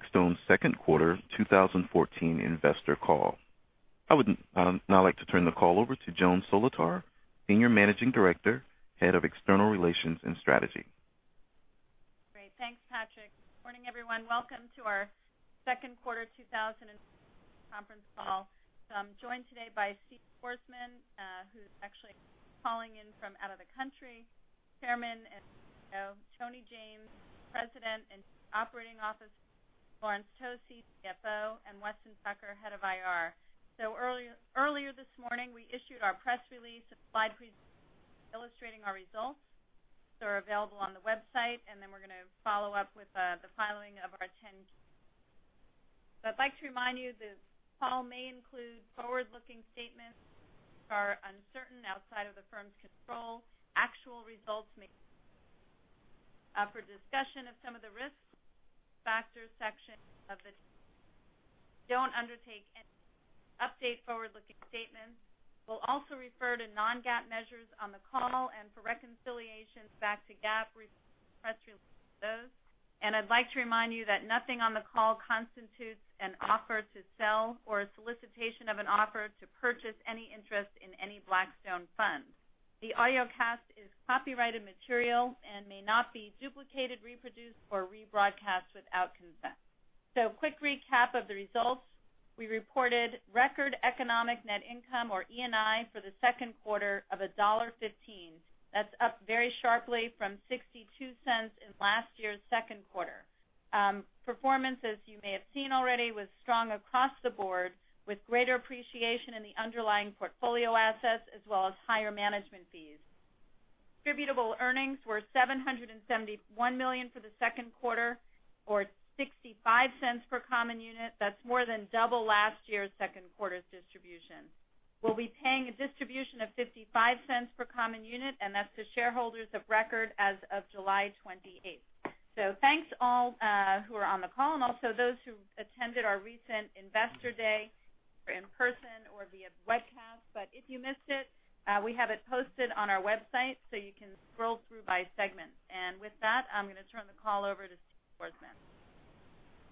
Blackstone's second quarter 2014 investor call. I would now like to turn the call over to Joan Solotar, Senior Managing Director, Head of External Relations and Strategy. Great. Thanks, Patrick. Morning, everyone. Welcome to our second quarter 2014 conference call. I'm joined today by Steve Schwarzman, who's actually calling in from out of the country, Chairman and CEO, Tony James, President and Operating Officer, Laurence Tosi, CFO, and Weston Tucker, Head of IR. Earlier this morning, we issued our press release, a slide presentation illustrating our results. Those are available on the website, we're going to follow up with the filing of our 10-Q. I'd like to remind you this call may include forward-looking statements which are uncertain outside of the firm's control. Actual results may vary. For a discussion of some of the risks, see the factors section of the 10-K. We don't undertake any to update forward-looking statements. We'll also refer to non-GAAP measures on the call and for reconciliations back to GAAP, refer to the press release for those. I'd like to remind you that nothing on the call constitutes an offer to sell or a solicitation of an offer to purchase any interest in any Blackstone funds. The audiocast is copyrighted material and may not be duplicated, reproduced, or rebroadcast without consent. Quick recap of the results. We reported record economic net income or ENI for the second quarter of $1.15. That's up very sharply from $0.62 in last year's second quarter. Performance, as you may have seen already, was strong across the board, with greater appreciation in the underlying portfolio assets as well as higher management fees. Distributable earnings were $771 million for the second quarter, or $0.65 per common unit. That's more than double last year's second quarter's distribution. We'll be paying a distribution of $0.55 per common unit, and that's to shareholders of record as of July 28th. Thanks all who are on the call and also those who attended our recent investor day, either in person or via webcast. If you missed it, we have it posted on our website you can scroll through by segment. With that, I'm going to turn the call over to Steve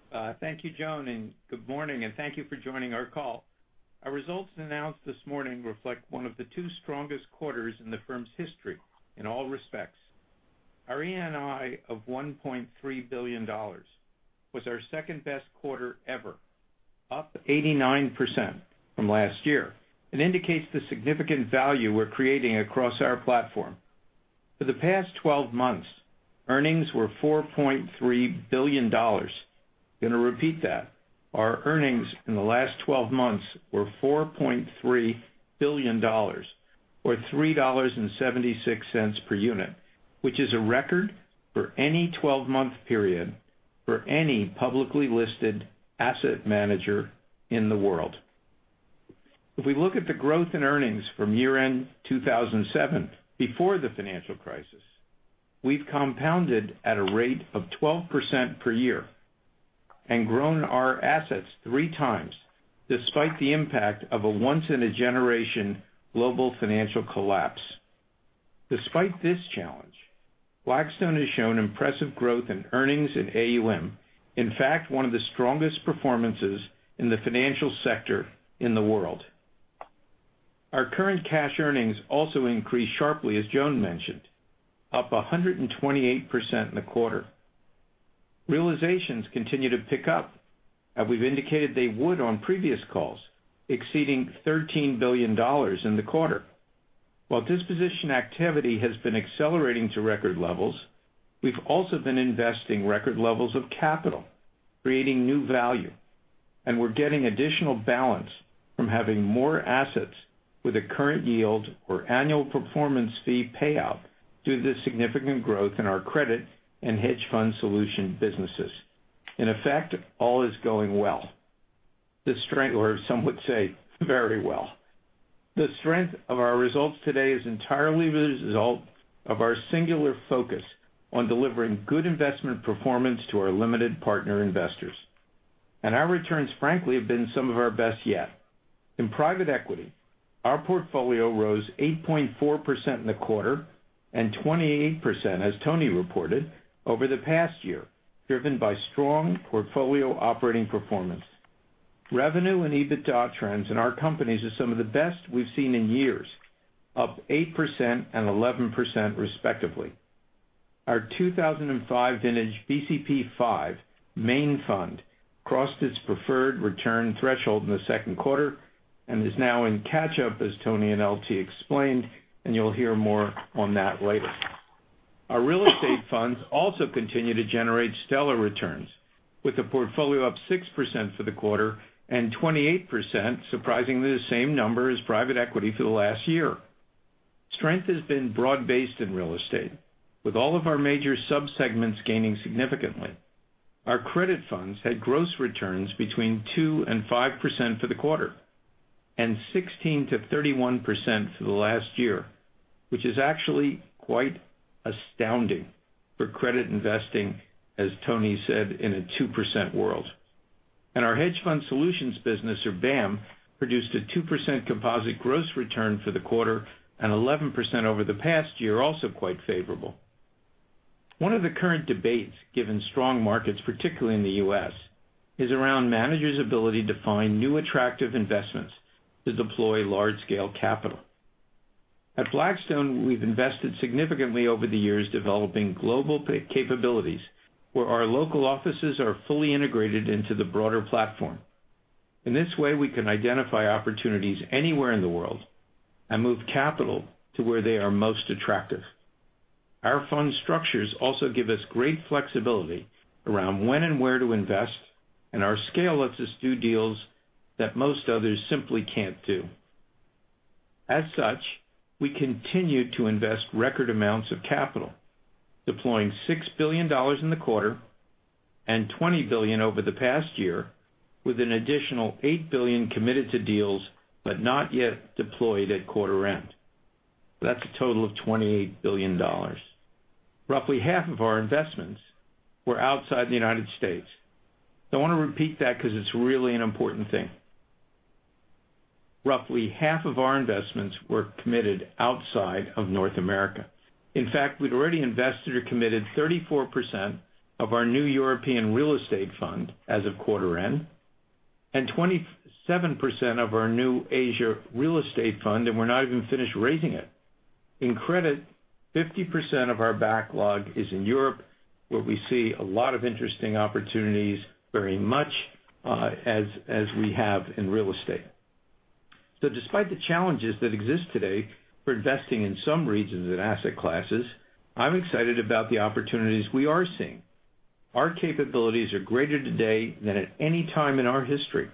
Schwarzman. Thank you, Joan. Good morning, and thank you for joining our call. Our results announced this morning reflect one of the two strongest quarters in the firm's history in all respects. Our ENI of $1.3 billion was our second-best quarter ever, up 89% from last year, and indicates the significant value we're creating across our platform. For the past 12 months, earnings were $4.3 billion. I'm going to repeat that. Our earnings in the last 12 months were $4.3 billion, or $3.76 per unit, which is a record for any 12-month period for any publicly listed asset manager in the world. If we look at the growth in earnings from year-end 2007, before the financial crisis, we've compounded at a rate of 12% per year and grown our assets three times, despite the impact of a once-in-a-generation global financial collapse. Despite this challenge, Blackstone has shown impressive growth in earnings in AUM, in fact, one of the strongest performances in the financial sector in the world. Our current cash earnings also increased sharply, as Joan mentioned, up 128% in the quarter. Realizations continue to pick up as we've indicated they would on previous calls, exceeding $13 billion in the quarter. While disposition activity has been accelerating to record levels, we've also been investing record levels of capital, creating new value, and we're getting additional balance from having more assets with a current yield or annual performance fee payout due to the significant growth in our credit and Hedge Fund Solutions businesses. In effect, all is going well. Some would say very well. The strength of our results today is entirely the result of our singular focus on delivering good investment performance to our Limited Partner investors. Our returns, frankly, have been some of our best yet. In Private Equity, our portfolio rose 8.4% in the quarter and 28%, as Tony reported, over the past year, driven by strong portfolio operating performance. Revenue and EBITDA trends in our companies are some of the best we've seen in years, up 8% and 11% respectively. Our 2005 vintage BCP V main fund crossed its preferred return threshold in the second quarter and is now in catch-up, as Tony and LT explained, and you'll hear more on that later. Our Real Estate funds also continue to generate stellar returns, with the portfolio up 6% for the quarter and 28%, surprisingly the same number as Private Equity for the last year. Strength has been broad-based in Real Estate, with all of our major subsegments gaining significantly. Our credit funds had gross returns between 2% and 5% for the quarter, and 16%-31% for the last year, which is actually quite astounding for credit investing, as Tony said, in a 2% world. Our Hedge Fund Solutions business, or BAAM, produced a 2% composite gross return for the quarter and 11% over the past year, also quite favorable. One of the current debates, given strong markets, particularly in the U.S., is around managers' ability to find new attractive investments to deploy large-scale capital. At Blackstone, we've invested significantly over the years developing global capabilities where our local offices are fully integrated into the broader platform. In this way, we can identify opportunities anywhere in the world and move capital to where they are most attractive. Our fund structures also give us great flexibility around when and where to invest, and our scale lets us do deals that most others simply can't do. As such, we continue to invest record amounts of capital, deploying $6 billion in the quarter and $20 billion over the past year, with an additional $8 billion committed to deals but not yet deployed at quarter end. That's a total of $28 billion. Roughly half of our investments were outside the U.S. I want to repeat that because it's really an important thing. Roughly half of our investments were committed outside of North America. In fact, we'd already invested or committed 34% of our new European real estate fund as of quarter end and 27% of our new Asia real estate fund, and we're not even finished raising it. In credit, 50% of our backlog is in Europe, where we see a lot of interesting opportunities, very much as we have in real estate. Despite the challenges that exist today for investing in some regions and asset classes, I'm excited about the opportunities we are seeing. Our capabilities are greater today than at any time in our history,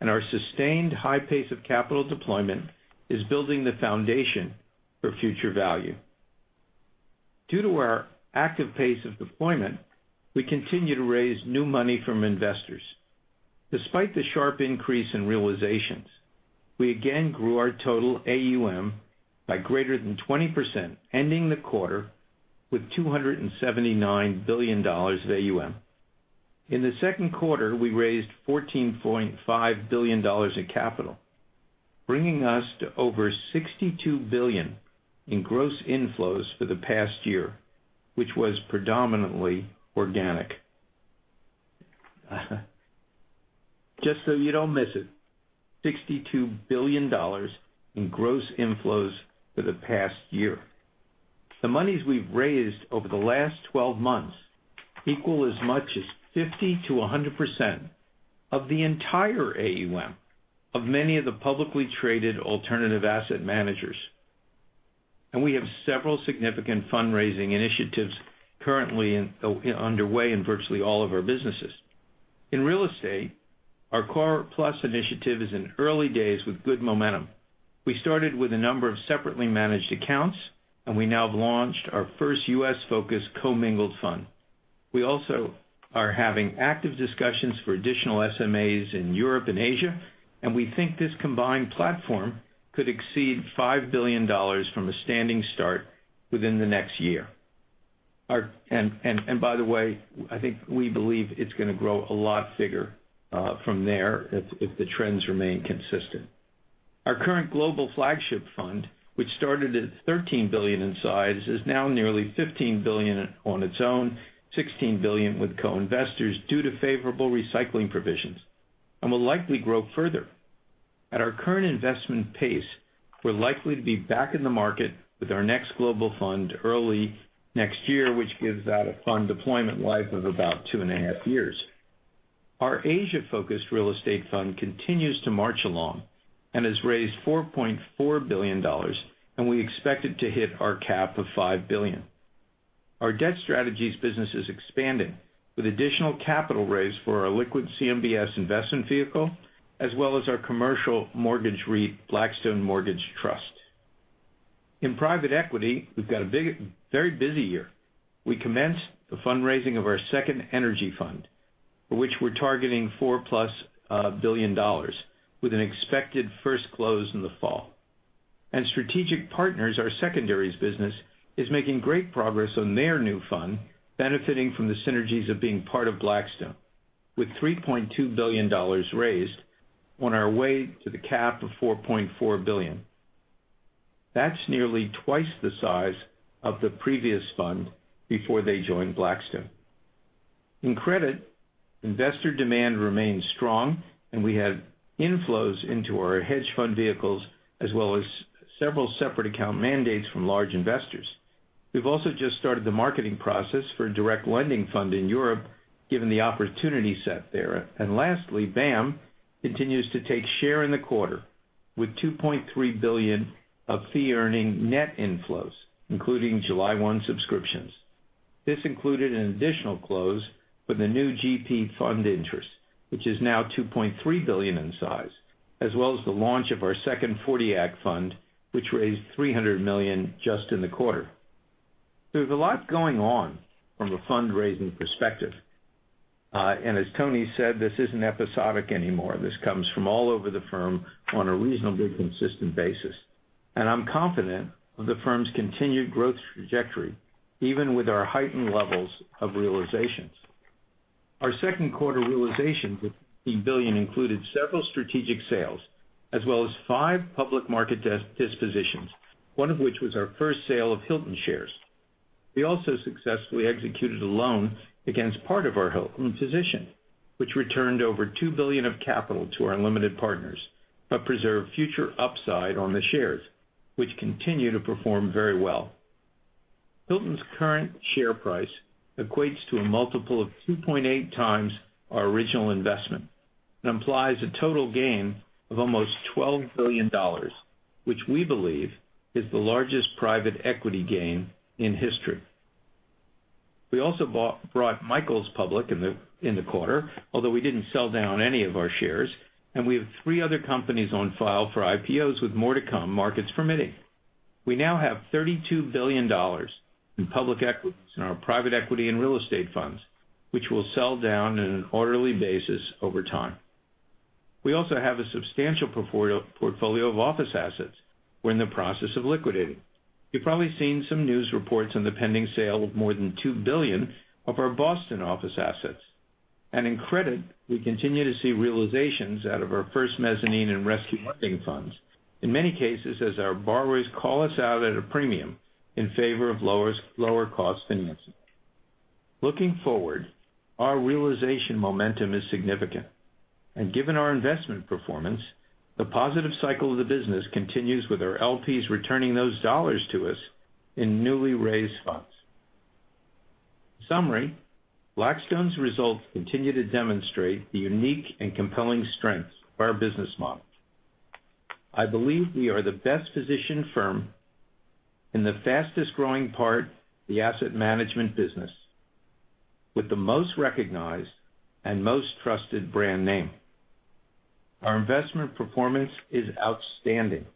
and our sustained high pace of capital deployment is building the foundation for future value. Due to our active pace of deployment, we continue to raise new money from investors. Despite the sharp increase in realizations, we again grew our total AUM by greater than 20%, ending the quarter with $279 billion of AUM. In the second quarter, we raised $14.5 billion in capital, bringing us to over $62 billion in gross inflows for the past year, which was predominantly organic. Just so you don't miss it, $62 billion in gross inflows for the past year. The monies we've raised over the last 12 months equal as much as 50%-100% of the entire AUM of many of the publicly traded alternative asset managers. We have several significant fundraising initiatives currently underway in virtually all of our businesses. In real estate, our Core Plus initiative is in early days with good momentum. We started with a number of separately managed accounts, and we now have launched our first U.S.-focused commingled fund. We also are having active discussions for additional SMAs in Europe and Asia, and we think this combined platform could exceed $5 billion from a standing start within the next year. By the way, I think we believe it's going to grow a lot bigger from there if the trends remain consistent. Our current global flagship fund, which started at $13 billion in size, is now nearly $15 billion on its own, $16 billion with co-investors due to favorable recycling provisions, and will likely grow further. At our current investment pace, we're likely to be back in the market with our next global fund early next year, which gives that a fund deployment life of about two and a half years. Our Asia-focused real estate fund continues to march along and has raised $4.4 billion, and we expect it to hit our cap of $5 billion. Our debt strategies business is expanding with additional capital raised for our liquid CMBS investment vehicle, as well as our commercial mortgage REIT, Blackstone Mortgage Trust. In private equity, we've got a very busy year. We commenced the fundraising of our second energy fund, for which we're targeting $4 plus billion, with an expected first close in the fall. Strategic Partners, our secondaries business, is making great progress on their new fund, benefiting from the synergies of being part of Blackstone. With $3.2 billion raised on our way to the cap of $4.4 billion. That's nearly twice the size of the previous fund before they joined Blackstone. In credit, investor demand remains strong, and we have inflows into our hedge fund vehicles, as well as several separate account mandates from large investors. We've also just started the marketing process for a direct lending fund in Europe, given the opportunity set there. Lastly, BAAM continues to take share in the quarter with $2.3 billion of fee earning net inflows, including July 1 subscriptions. This included an additional close for the new GP fund interest, which is now $2.3 billion in size, as well as the launch of our second '40 Act fund, which raised $300 million just in the quarter. There's a lot going on from a fundraising perspective. As Tony said, this isn't episodic anymore. This comes from all over the firm on a reasonably consistent basis. I'm confident of the firm's continued growth trajectory, even with our heightened levels of realizations. Our second quarter realization with billion included several strategic sales, as well as five public market dispositions, one of which was our first sale of Hilton shares. We also successfully executed a loan against part of our Hilton position, which returned over $2 billion of capital to our limited partners, but preserved future upside on the shares, which continue to perform very well. Hilton's current share price equates to a multiple of 2.8x our original investment, and implies a total gain of almost $12 billion, which we believe is the largest private equity gain in history. We also brought Michaels public in the quarter, although we didn't sell down any of our shares, and we have three other companies on file for IPOs with more to come, markets permitting. We now have $32 billion in public equities in our private equity and real estate funds, which we'll sell down in an orderly basis over time. We also have a substantial portfolio of office assets we're in the process of liquidating. You've probably seen some news reports on the pending sale of more than $2 billion of our Boston office assets. In credit, we continue to see realizations out of our first mezzanine and rescue lending funds. In many cases, as our borrowers call us out at a premium in favor of lower cost financing. Looking forward, our realization momentum is significant. Given our investment performance, the positive cycle of the business continues with our LPs returning those dollars to us in newly raised funds. Summary, Blackstone's results continue to demonstrate the unique and compelling strengths of our business model. I believe we are the best positioned firm in the fastest growing part, the asset management business, with the most recognized and most trusted brand name. Our investment performance is outstanding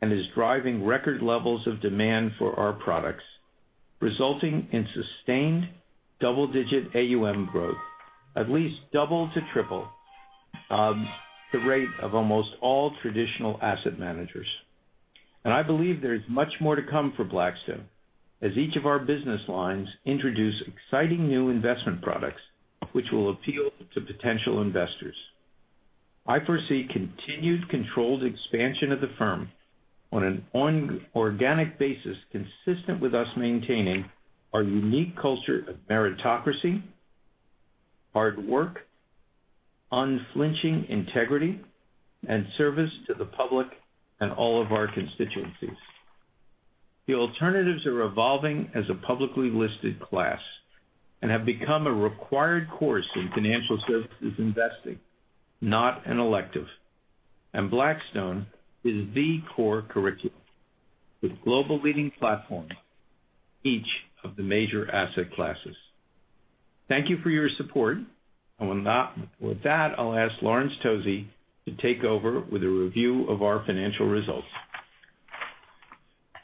and is driving record levels of demand for our products, resulting in sustained double-digit AUM growth, at least double to triple, the rate of almost all traditional asset managers. I believe there is much more to come for Blackstone, as each of our business lines introduce exciting new investment products which will appeal to potential investors. I foresee continued controlled expansion of the firm on an organic basis consistent with us maintaining our unique culture of meritocracy, hard work, unflinching integrity, and service to the public and all of our constituencies. The alternatives are evolving as a publicly listed class and have become a required course in financial services investing, not an elective. Blackstone is the core curriculum with global leading platform, each of the major asset classes. Thank you for your support. With that, I'll ask Laurence Tosi to take over with a review of our financial results.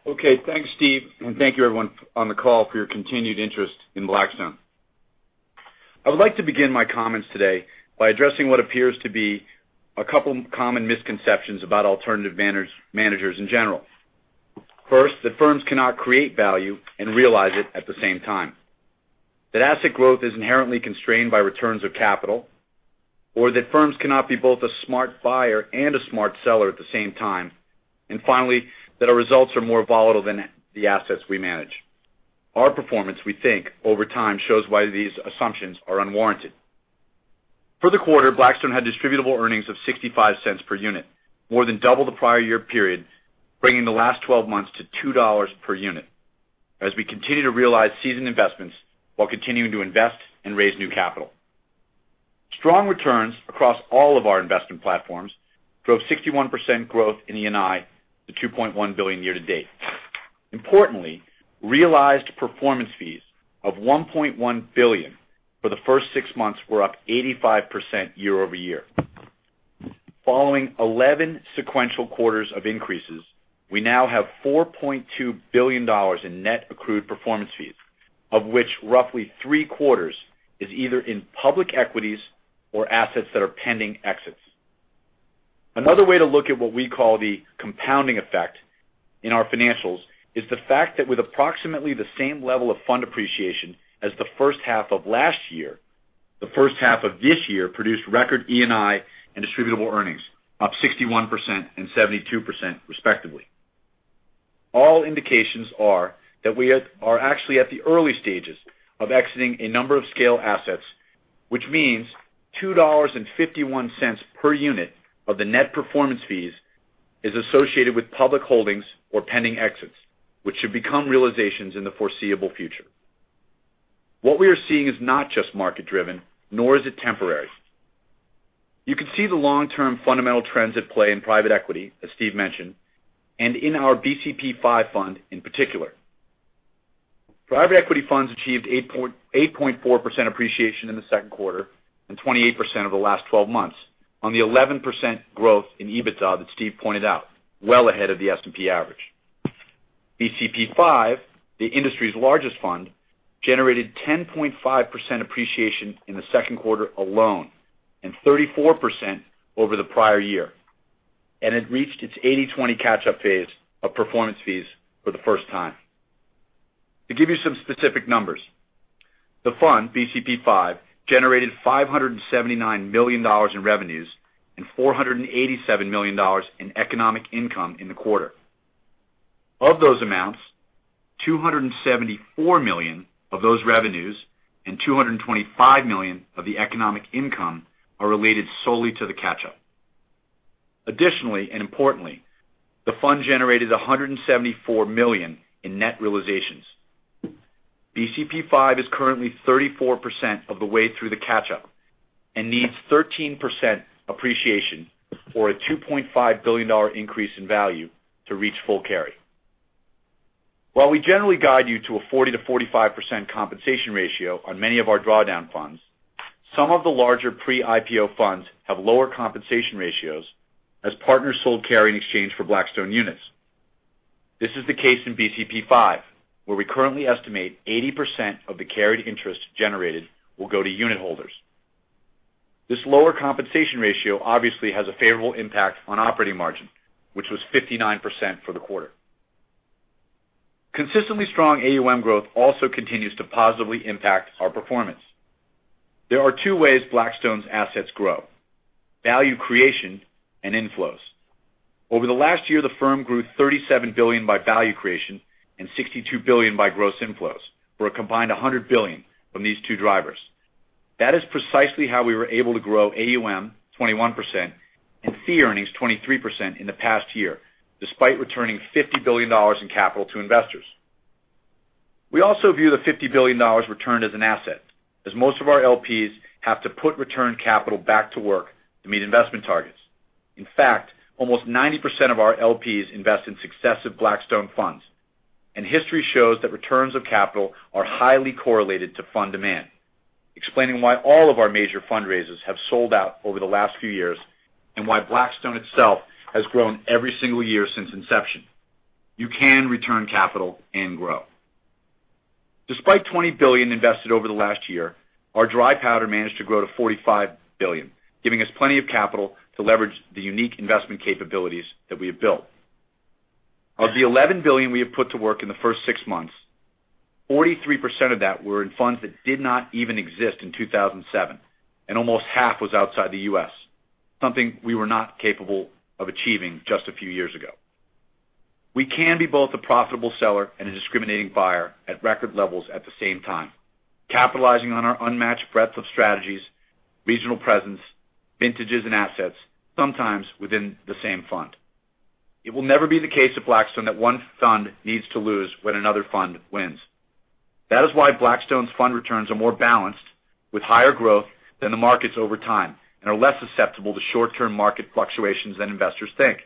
Thanks, Steve, and thank you everyone on the call for your continued interest in Blackstone. I would like to begin my comments today by addressing what appears to be a couple common misconceptions about alternative managers in general. First, that firms cannot create value and realize it at the same time. That asset growth is inherently constrained by returns of capital, or that firms cannot be both a smart buyer and a smart seller at the same time. Finally, that our results are more volatile than the assets we manage. Our performance, we think, over time, shows why these assumptions are unwarranted. For the quarter, Blackstone had distributable earnings of $0.65 per unit, more than double the prior year period, bringing the last 12 months to $2 per unit, as we continue to realize seasoned investments while continuing to invest and raise new capital. Strong returns across all of our investment platforms drove 61% growth in ENI to $2.1 billion year to date. Importantly, realized performance fees of $1.1 billion for the first six months were up 85% year-over-year. Following 11 sequential quarters of increases, we now have $4.2 billion in net accrued performance fees, of which roughly three-quarters is either in public equities or assets that are pending exits. Another way to look at what we call the compounding effect in our financials is the fact that with approximately the same level of fund appreciation as the first half of last year, the first half of this year produced record ENI and distributable earnings up 61% and 72% respectively. All indications are that we are actually at the early stages of exiting a number of scale assets, which means $2.51 per unit of the net performance fees is associated with public holdings or pending exits, which should become realizations in the foreseeable future. You can see the long-term fundamental trends at play in private equity, as Steve mentioned, and in our BCP V fund in particular. Private equity funds achieved 8.4% appreciation in the second quarter and 28% over the last 12 months on the 11% growth in EBITDA that Steve pointed out, well ahead of the S&P average. BCP V, the industry's largest fund, generated 10.5% appreciation in the second quarter alone and 34% over the prior year. It reached its 80/20 catch-up phase of performance fees for the first time. To give you some specific numbers, the fund, BCP V, generated $579 million in revenues and $487 million in economic income in the quarter. Of those amounts, $274 million of those revenues and $225 million of the economic income are related solely to the catch-up. Additionally, importantly, the fund generated $174 million in net realizations. BCP V is currently 34% of the way through the catch-up and needs 13% appreciation or a $2.5 billion increase in value to reach full carry. While we generally guide you to a 40%-45% compensation ratio on many of our drawdown funds, some of the larger pre-IPO funds have lower compensation ratios as partners sold carry in exchange for Blackstone units. This is the case in BCP V, where we currently estimate 80% of the carried interest generated will go to unitholders. This lower compensation ratio obviously has a favorable impact on operating margin, which was 59% for the quarter. Consistently strong AUM growth also continues to positively impact our performance. There are two ways Blackstone's assets grow, value creation and inflows. Over the last year, the firm grew $37 billion by value creation and $62 billion by gross inflows, for a combined $100 billion from these two drivers. That is precisely how we were able to grow AUM 21% and fee earnings 23% in the past year, despite returning $50 billion in capital to investors. We also view the $50 billion returned as an asset, as most of our LPs have to put returned capital back to work to meet investment targets. In fact, almost 90% of our LPs invest in successive Blackstone funds. History shows that returns of capital are highly correlated to fund demand, explaining why all of our major fundraisers have sold out over the last few years, and why Blackstone itself has grown every single year since inception. You can return capital and grow. Despite $20 billion invested over the last year, our dry powder managed to grow to $45 billion, giving us plenty of capital to leverage the unique investment capabilities that we have built. Of the $11 billion we have put to work in the first six months, 43% of that were in funds that did not even exist in 2007. Almost half was outside the U.S., something we were not capable of achieving just a few years ago. We can be both a profitable seller and a discriminating buyer at record levels at the same time, capitalizing on our unmatched breadth of strategies, regional presence, vintages, and assets, sometimes within the same fund. It will never be the case at Blackstone that one fund needs to lose when another fund wins. That is why Blackstone's fund returns are more balanced with higher growth than the markets over time, and are less susceptible to short-term market fluctuations than investors think.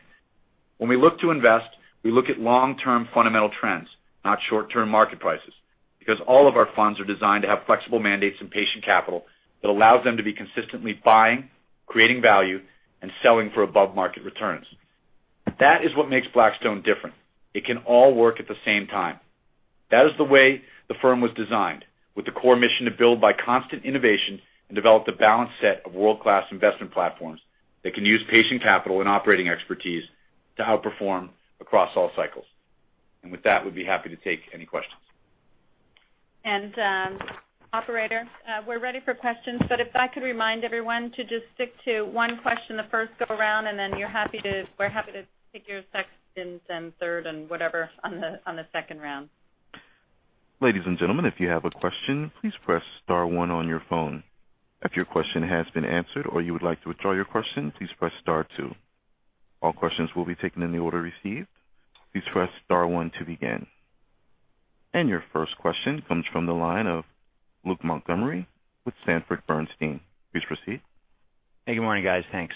When we look to invest, we look at long-term fundamental trends, not short-term market prices, because all of our funds are designed to have flexible mandates and patient capital that allows them to be consistently buying, creating value, and selling for above-market returns. That is what makes Blackstone different. It can all work at the same time. That is the way the firm was designed, with the core mission to build by constant innovation and develop the balanced set of world-class investment platforms that can use patient capital and operating expertise to outperform across all cycles. With that, we'd be happy to take any questions. Operator, we're ready for questions. If I could remind everyone to just stick to one question the first go around, then we're happy to take your second and third and whatever on the second round. Ladies and gentlemen, if you have a question, please press star one on your phone. If your question has been answered or you would like to withdraw your question, please press star two. All questions will be taken in the order received. Please press star one to begin. Your first question comes from the line of Luke Montgomery with Sanford Bernstein. Please proceed. Hey, good morning, guys. Thanks.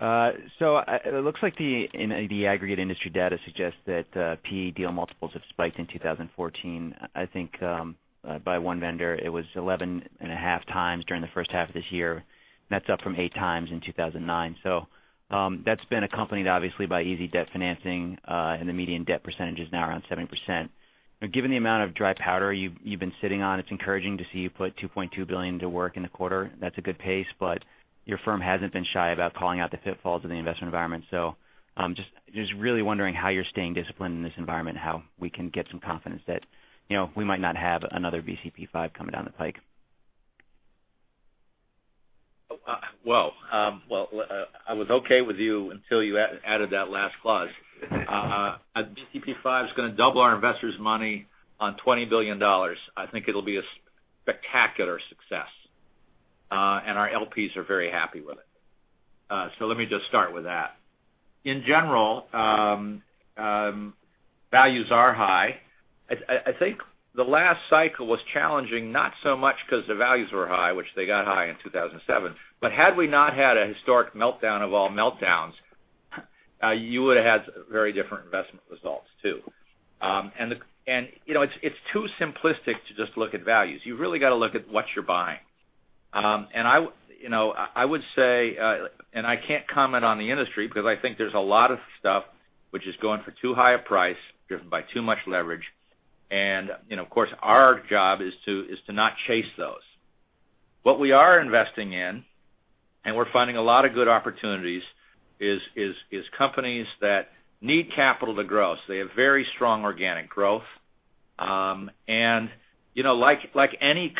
It looks like the aggregate industry data suggests that P/E deal multiples have spiked in 2014. I think by one vendor it was 11 and a half times during the first half of this year. That's up from eight times in 2009. That's been accompanied obviously by easy debt financing, and the median debt percentage is now around 70%. Given the amount of dry powder you've been sitting on, it's encouraging to see you put $2.2 billion to work in the quarter. That's a good pace, your firm hasn't been shy about calling out the pitfalls of the investment environment. Just really wondering how you're staying disciplined in this environment. How we can get some confidence that we might not have another BCP V coming down the pike. I was okay with you until you added that last clause. BCP V is going to double our investors' money on $20 billion. I think it'll be a spectacular success. Our LPs are very happy with it. Let me just start with that. In general, values are high. I think the last cycle was challenging, not so much because the values were high, which they got high in 2007, but had we not had a historic meltdown of all meltdowns, you would've had very different investment results, too. It's too simplistic to just look at values. You've really got to look at what you're buying I would say, I can't comment on the industry because I think there's a lot of stuff which is going for too high a price, driven by too much leverage. Of course, our job is to not chase those. What we are investing in, and we're finding a lot of good opportunities, is companies that need capital to grow. They have very strong organic growth. Like any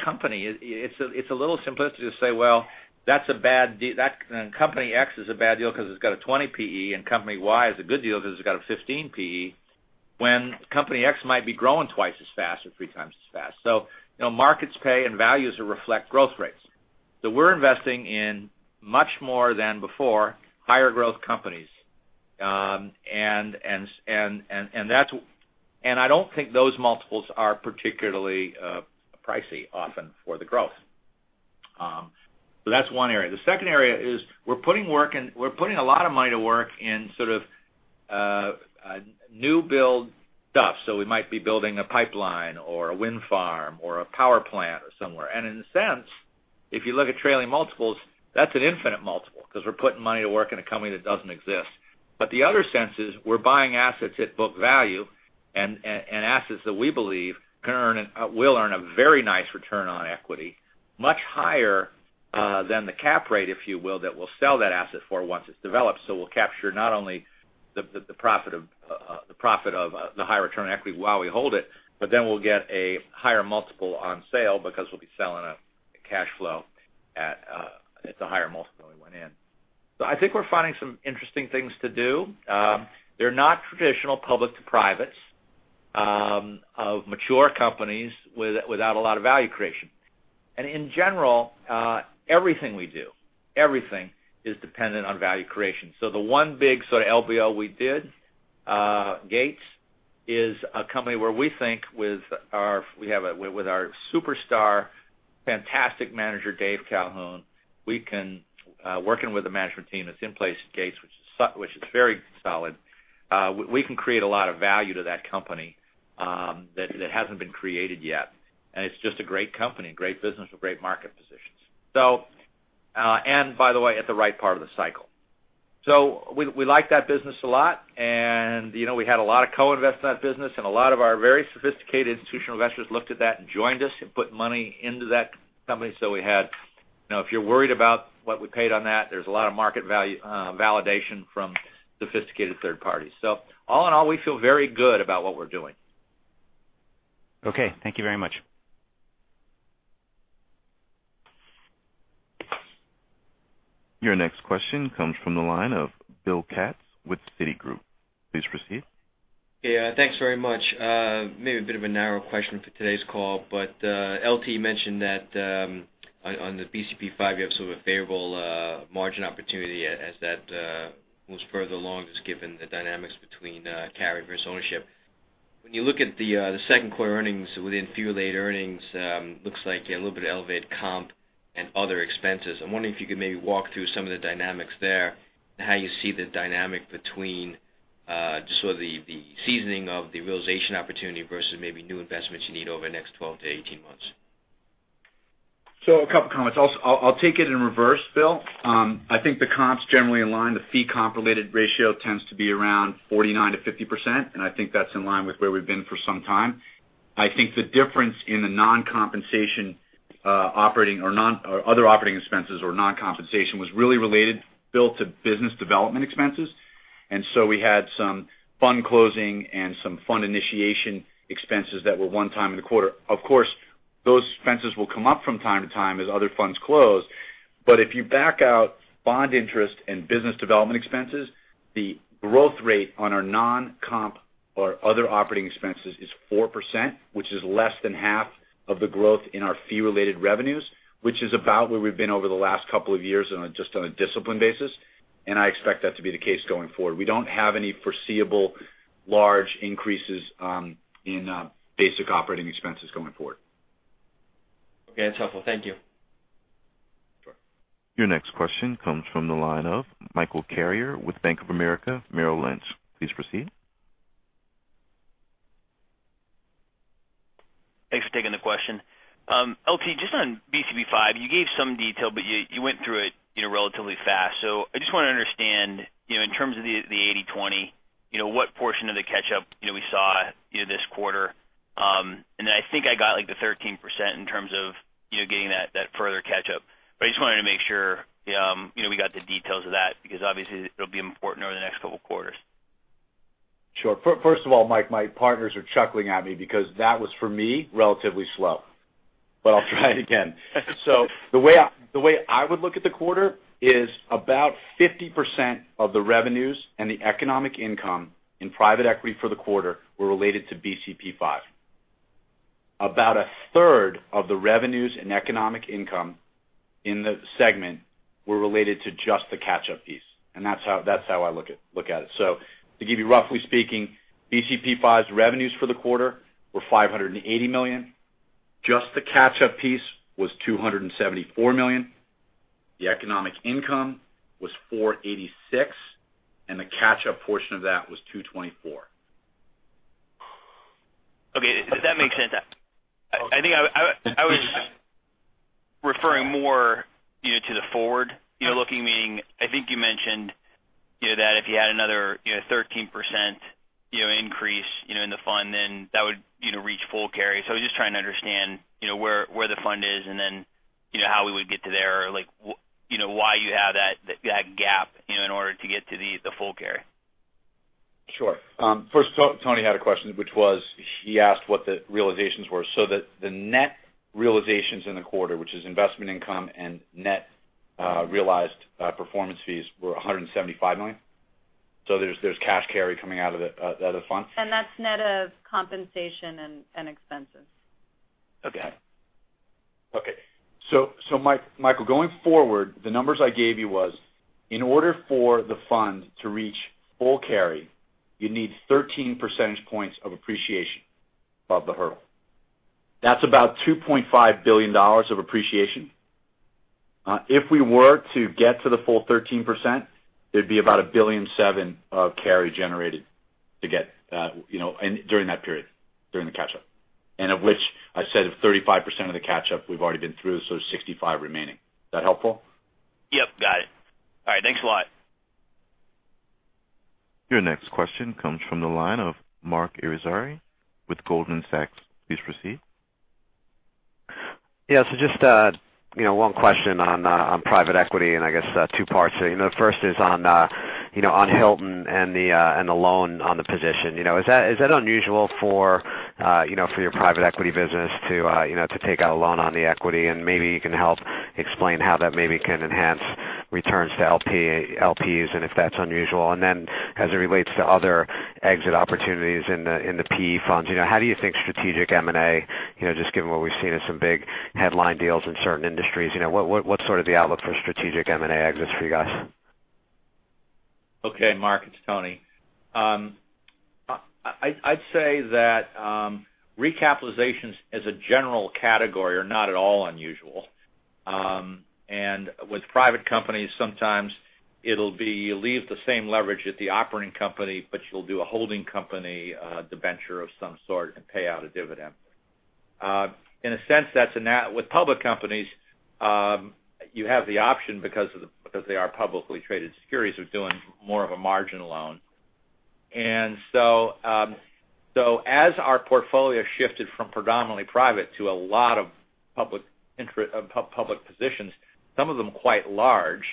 company, it's a little simplistic to say, well, company X is a bad deal because it's got a 20 PE, and company Y is a good deal because it's got a 15 PE, when company X might be growing twice as fast or three times as fast. Markets pay and values reflect growth rates. We're investing in much more than before higher growth companies. I don't think those multiples are particularly pricey often for the growth. That's one area. The second area is we're putting a lot of money to work in sort of new build stuff. We might be building a pipeline or a wind farm or a power plant somewhere. In a sense, if you look at trailing multiples, that's an infinite multiple because we're putting money to work in a company that doesn't exist. The other sense is we're buying assets at book value and assets that we believe will earn a very nice return on equity, much higher than the cap rate, if you will, that we'll sell that asset for once it's developed. We'll capture not only the profit of the high return on equity while we hold it, but then we'll get a higher multiple on sale because we'll be selling a cash flow at the higher multiple we went in. I think we're finding some interesting things to do. They're not traditional public to privates of mature companies without a lot of value creation. In general, everything we do, everything is dependent on value creation. The one big sort of LBO we did, Gates, is a company where we think with our superstar, fantastic manager, Dave Calhoun. Working with the management team that's in place at Gates, which is very solid, we can create a lot of value to that company that hasn't been created yet. It's just a great company, great business with great market positions. By the way, at the right part of the cycle. We like that business a lot, and we had a lot of co-invest in that business, and a lot of our very sophisticated institutional investors looked at that and joined us and put money into that company. If you are worried about what we paid on that, there is a lot of market value validation from sophisticated third parties. All in all, we feel very good about what we are doing. Okay. Thank you very much. Your next question comes from the line of Bill Katz with Citigroup. Please proceed. Thanks very much. Maybe a bit of a narrow question for today's call, LT mentioned that on the BCP V, you have sort of a favorable margin opportunity as that moves further along, just given the dynamics between carry versus ownership. You look at the second quarter earnings within fee-related earnings, looks like a little bit of elevated comp and other expenses. I am wondering if you could maybe walk through some of the dynamics there and how you see the dynamic between just sort of the seasoning of the realization opportunity versus maybe new investments you need over the next 12-18 months. A couple comments. I'll take it in reverse, Bill. I think the comps generally align. The fee comp related ratio tends to be around 49%-50%, and I think that's in line with where we've been for some time. I think the difference in the non-compensation operating or other operating expenses or non-compensation was really related, Bill, to business development expenses. We had some fund closing and some fund initiation expenses that were one-time in the quarter. Of course, those expenses will come up from time to time as other funds close. If you back out bond interest and business development expenses, the growth rate on our non-comp or other operating expenses is 4%, which is less than half of the growth in our fee-related revenues, which is about where we've been over the last couple of years just on a discipline basis. I expect that to be the case going forward. We don't have any foreseeable large increases in basic operating expenses going forward. Okay. That's helpful. Thank you. Sure. Your next question comes from the line of Michael Carrier with Bank of America, Merrill Lynch. Please proceed. Thanks for taking the question. LT, just on BCP V, you gave some detail, but you went through it relatively fast. I just want to understand, in terms of the 80/20, what portion of the catch-up we saw this quarter. Then I think I got the 13% in terms of getting that further catch-up. I just wanted to make sure we got the details of that because obviously it'll be important over the next couple quarters. Sure. First of all, Mike, my partners are chuckling at me because that was for me, relatively slow, but I'll try it again. The way I would look at the quarter is about 50% of the revenues and the economic income in private equity for the quarter were related to BCP V. About a third of the revenues and economic income in the segment were related to just the catch-up piece. That's how I look at it. To give you roughly speaking, BCP V's revenues for the quarter were $580 million. Just the catch-up piece was $274 million. The economic income was $486 million, and the catch-up portion of that was $224 million. Okay. Does that make sense? I think I was referring more to the forward-looking, meaning I think you mentioned that if you had another 13% increase in the fund, then that would reach full carry. I was just trying to understand where the fund is and then how we would get to there, or why you have that gap in order to get to the full carry. Sure. First, Tony had a question, which was he asked what the realizations were. The net realizations in the quarter, which is investment income and net realized performance fees, were $175 million. There's cash carry coming out of the fund. That's net of compensation and expenses. Okay. Okay. Michael, going forward, the numbers I gave you was, in order for the fund to reach full carry, you need 13 percentage points of appreciation above the hurdle. That's about $2.5 billion of appreciation. If we were to get to the full 13%, it'd be about $1.7 billion of carry generated during that period, during the catch-up. Of which I said of 35% of the catch-up we've already been through, 65 remaining. Is that helpful? Yep, got it. All right, thanks a lot. Your next question comes from the line of Marc Irizarry with Goldman Sachs. Please proceed. Just one question on private equity, and I guess two parts. The first is on Hilton and the loan on the position. Is that unusual for your private equity business to take out a loan on the equity? And maybe you can help explain how that maybe can enhance returns to LPs, and if that's unusual. Then as it relates to other exit opportunities in the PE funds, how do you think strategic M&A, just given what we've seen as some big headline deals in certain industries, what's sort of the outlook for strategic M&A exits for you guys? Okay, Marc, it's Tony. I'd say that recapitalizations as a general category are not at all unusual. With private companies, sometimes it'll be you leave the same leverage at the operating company, but you'll do a holding company debenture of some sort and pay out a dividend. With public companies, you have the option because they are publicly traded securities, we're doing more of a margin loan. As our portfolio shifted from predominantly private to a lot of public positions, some of them quite large,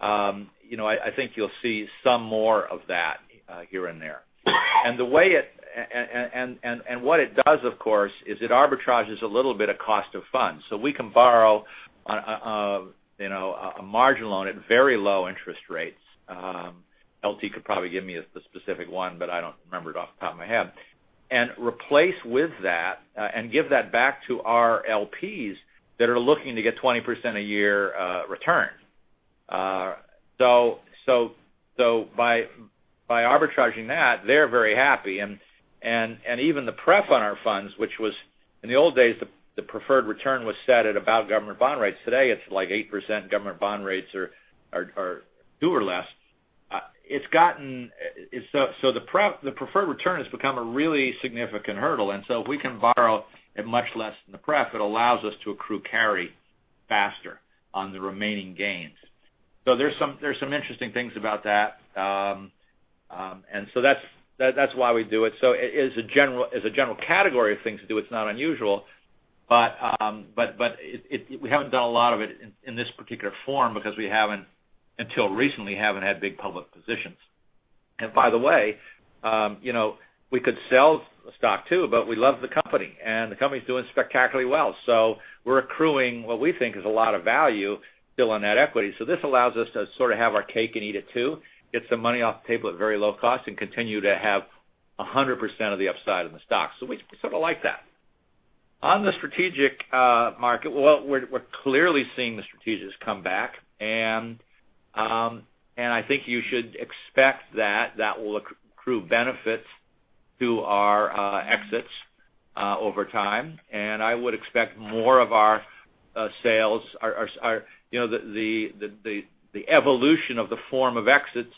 I think you'll see some more of that here and there. What it does, of course, is it arbitrages a little bit of cost of funds. We can borrow a margin loan at very low interest rates. LT could probably give me the specific one, but I don't remember it off the top of my head. Replace with that, and give that back to our LPs that are looking to get 20% a year return. By arbitraging that, they're very happy. Even the prep on our funds, which was in the old days, the preferred return was set at about government bond rates. Today, it's like 8% government bond rates are two or less. The preferred return has become a really significant hurdle. If we can borrow at much less than the prep, it allows us to accrue carry faster on the remaining gains. There's some interesting things about that. That's why we do it. As a general category of things to do, it's not unusual. We haven't done a lot of it in this particular form because we, until recently, haven't had big public positions. By the way, we could sell stock too, we love the company, and the company's doing spectacularly well. We're accruing what we think is a lot of value still on that equity. This allows us to sort of have our cake and eat it too, get some money off the table at very low cost, and continue to have 100% of the upside on the stock. We sort of like that. On the strategic market, we're clearly seeing the strategics come back. I think you should expect that that will accrue benefits to our exits over time. I would expect more of our sales. The evolution of the form of exits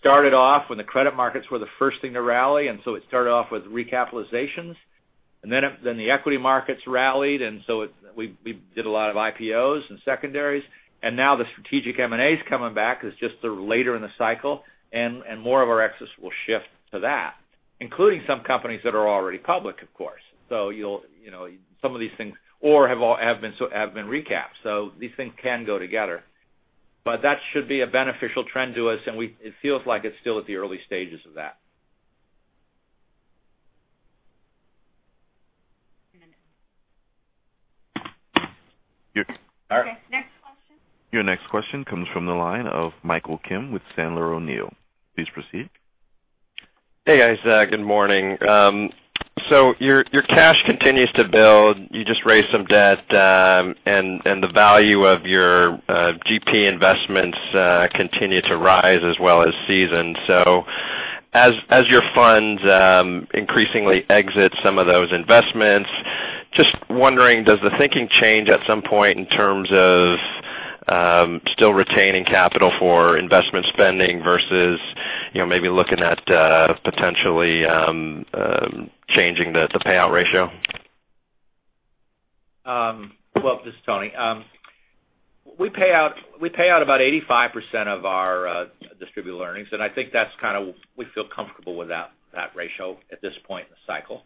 started off when the credit markets were the first thing to rally, it started off with recapitalizations. The equity markets rallied, we did a lot of IPOs and secondaries. Now the strategic M&A is coming back as just they're later in the cycle. More of our exits will shift to that, including some companies that are already public, of course. Some of these things or have been recapped. These things can go together. That should be a beneficial trend to us, and it feels like it's still at the early stages of that. Okay. Next question. Your next question comes from the line of Michael Kim with Sandler O'Neill. Please proceed. Hey, guys. Good morning. Your cash continues to build. You just raised some debt. The value of your GP investments continue to rise as well as season. As your funds increasingly exit some of those investments Just wondering, does the thinking change at some point in terms of still retaining capital for investment spending versus maybe looking at potentially changing the payout ratio? This is Tony. We pay out about 85% of our distributed earnings, and I think we feel comfortable with that ratio at this point in the cycle.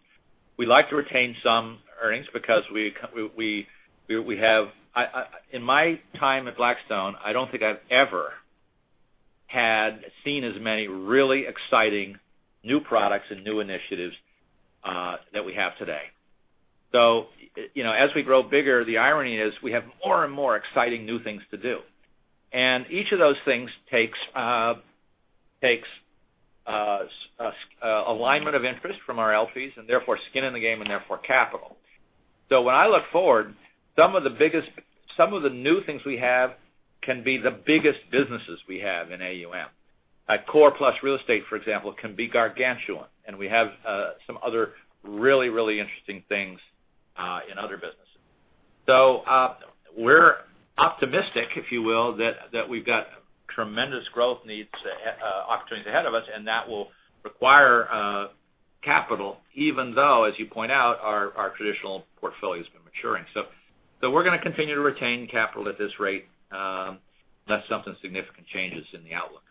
We like to retain some earnings because in my time at Blackstone, I don't think I've ever seen as many really exciting new products and new initiatives that we have today. As we grow bigger, the irony is we have more and more exciting new things to do. Each of those things takes alignment of interest from our LPs, and therefore skin in the game, and therefore capital. When I look forward, some of the new things we have can be the biggest businesses we have in AUM. Core Plus Real Estate, for example, can be gargantuan, and we have some other really, really interesting things in other businesses. We're optimistic, if you will, that we've got tremendous growth opportunities ahead of us, and that will require capital, even though, as you point out, our traditional portfolio's been maturing. We're going to continue to retain capital at this rate, unless something significant changes in the outlook.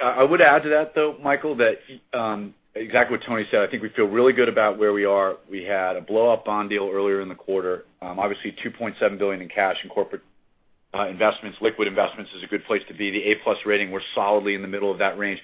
I would add to that, though, Michael, that exactly what Tony said. I think we feel really good about where we are. We had a blow-up bond deal earlier in the quarter. Obviously $2.7 billion in cash in corporate investments, liquid investments is a good place to be. The A-plus rating, we're solidly in the middle of that range.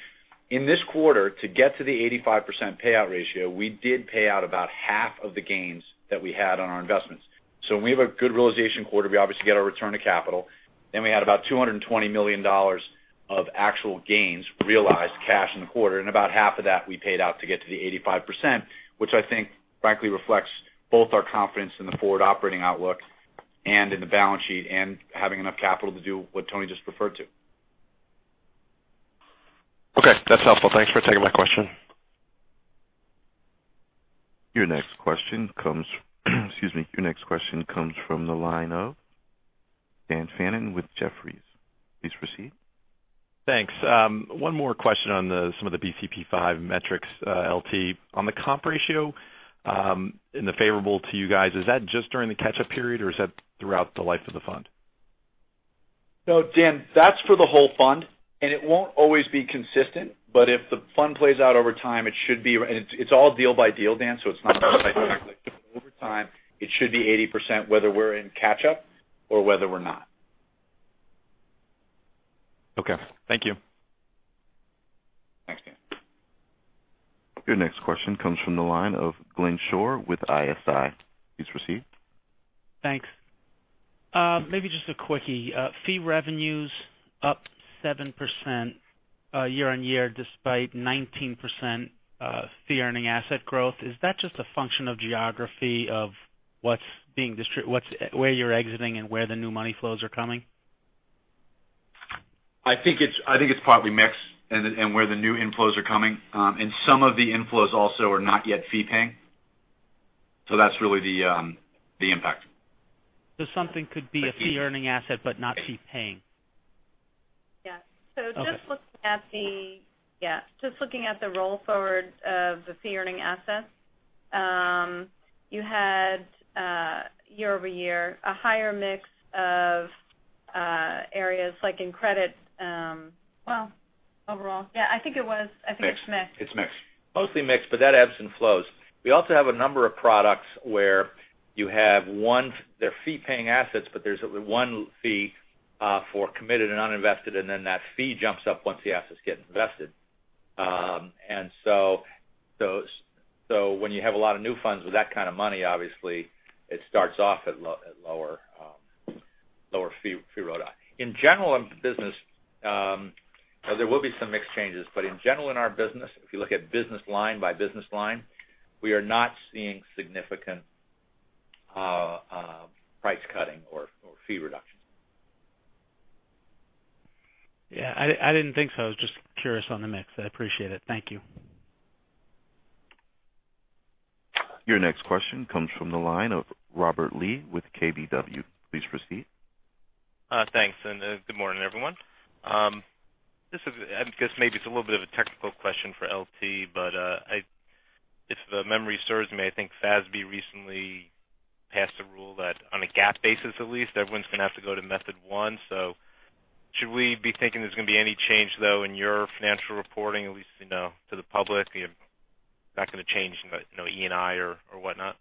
In this quarter, to get to the 85% payout ratio, we did pay out about half of the gains that we had on our investments. When we have a good realization quarter, we obviously get our return to capital. We had about $220 million of actual gains realized cash in the quarter, and about half of that we paid out to get to the 85%, which I think, frankly, reflects both our confidence in the forward operating outlook and in the balance sheet, and having enough capital to do what Tony just referred to. Okay, that's helpful. Thanks for taking my question. Your next question comes from the line of Daniel Fannon with Jefferies. Please proceed. Thanks. One more question on some of the BCP V metrics, LT. On the comp ratio, in the favorable to you guys, is that just during the catch-up period, or is that throughout the life of the fund? No, Dan, that's for the whole fund, it won't always be consistent. If the fund plays out over time, it's all deal by deal, Dan, it's not over time, it should be 80%, whether we're in catch-up or whether we're not. Okay. Thank you. Thanks, Dan. Your next question comes from the line of Glenn Schorr with ISI. Please proceed. Thanks. Maybe just a quickie. Fee revenues up 7% year-on-year, despite 19% fee earning asset growth. Is that just a function of geography of where you're exiting and where the new money flows are coming? I think it's partly mix and where the new inflows are coming. Some of the inflows also are not yet fee paying. That's really the impact. Something could be a fee-earning asset but not fee paying? Yeah. Okay. Just looking at the roll forward of the fee-earning assets. You had, year-over-year, a higher mix of areas like in credit. Well, overall. Yeah, I think it was. I think it's mixed. It's mixed. Mostly mixed, but that ebbs and flows. We also have a number of products where you have one, they're fee-paying assets, but there's one fee for committed and uninvested, and then that fee jumps up once the assets get invested. When you have a lot of new funds with that kind of money, obviously, it starts off at lower fee ROI. There will be some mix changes, but in general in our business, if you look at business line by business line, we are not seeing significant price cutting or fee reduction. Yeah, I didn't think so. I was just curious on the mix. I appreciate it. Thank you. Your next question comes from the line of Robert Lee with KBW. Please proceed. Thanks, and good morning, everyone. I guess maybe it's a little bit of a technical question for LT, but if the memory serves me, I think FASB recently passed a rule that on a GAAP basis, at least, everyone's going to have to go to method 1. Should we be thinking there's going to be any change, though, in your financial reporting, at least to the public? Not going to change ENI or whatnot?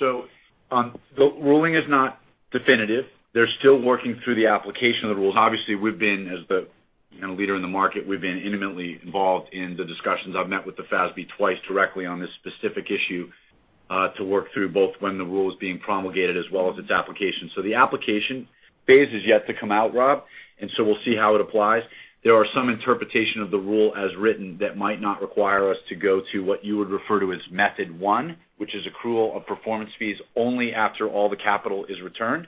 The ruling is not definitive. They're still working through the application of the rules. Obviously, as the leader in the market, we've been intimately involved in the discussions. I've met with the FASB twice directly on this specific issue to work through both when the rule was being promulgated as well as its application. The application phase is yet to come out, Rob. We'll see how it applies. There are some interpretation of the rule as written that might not require us to go to what you would refer to as method one, which is accrual of performance fees only after all the capital is returned.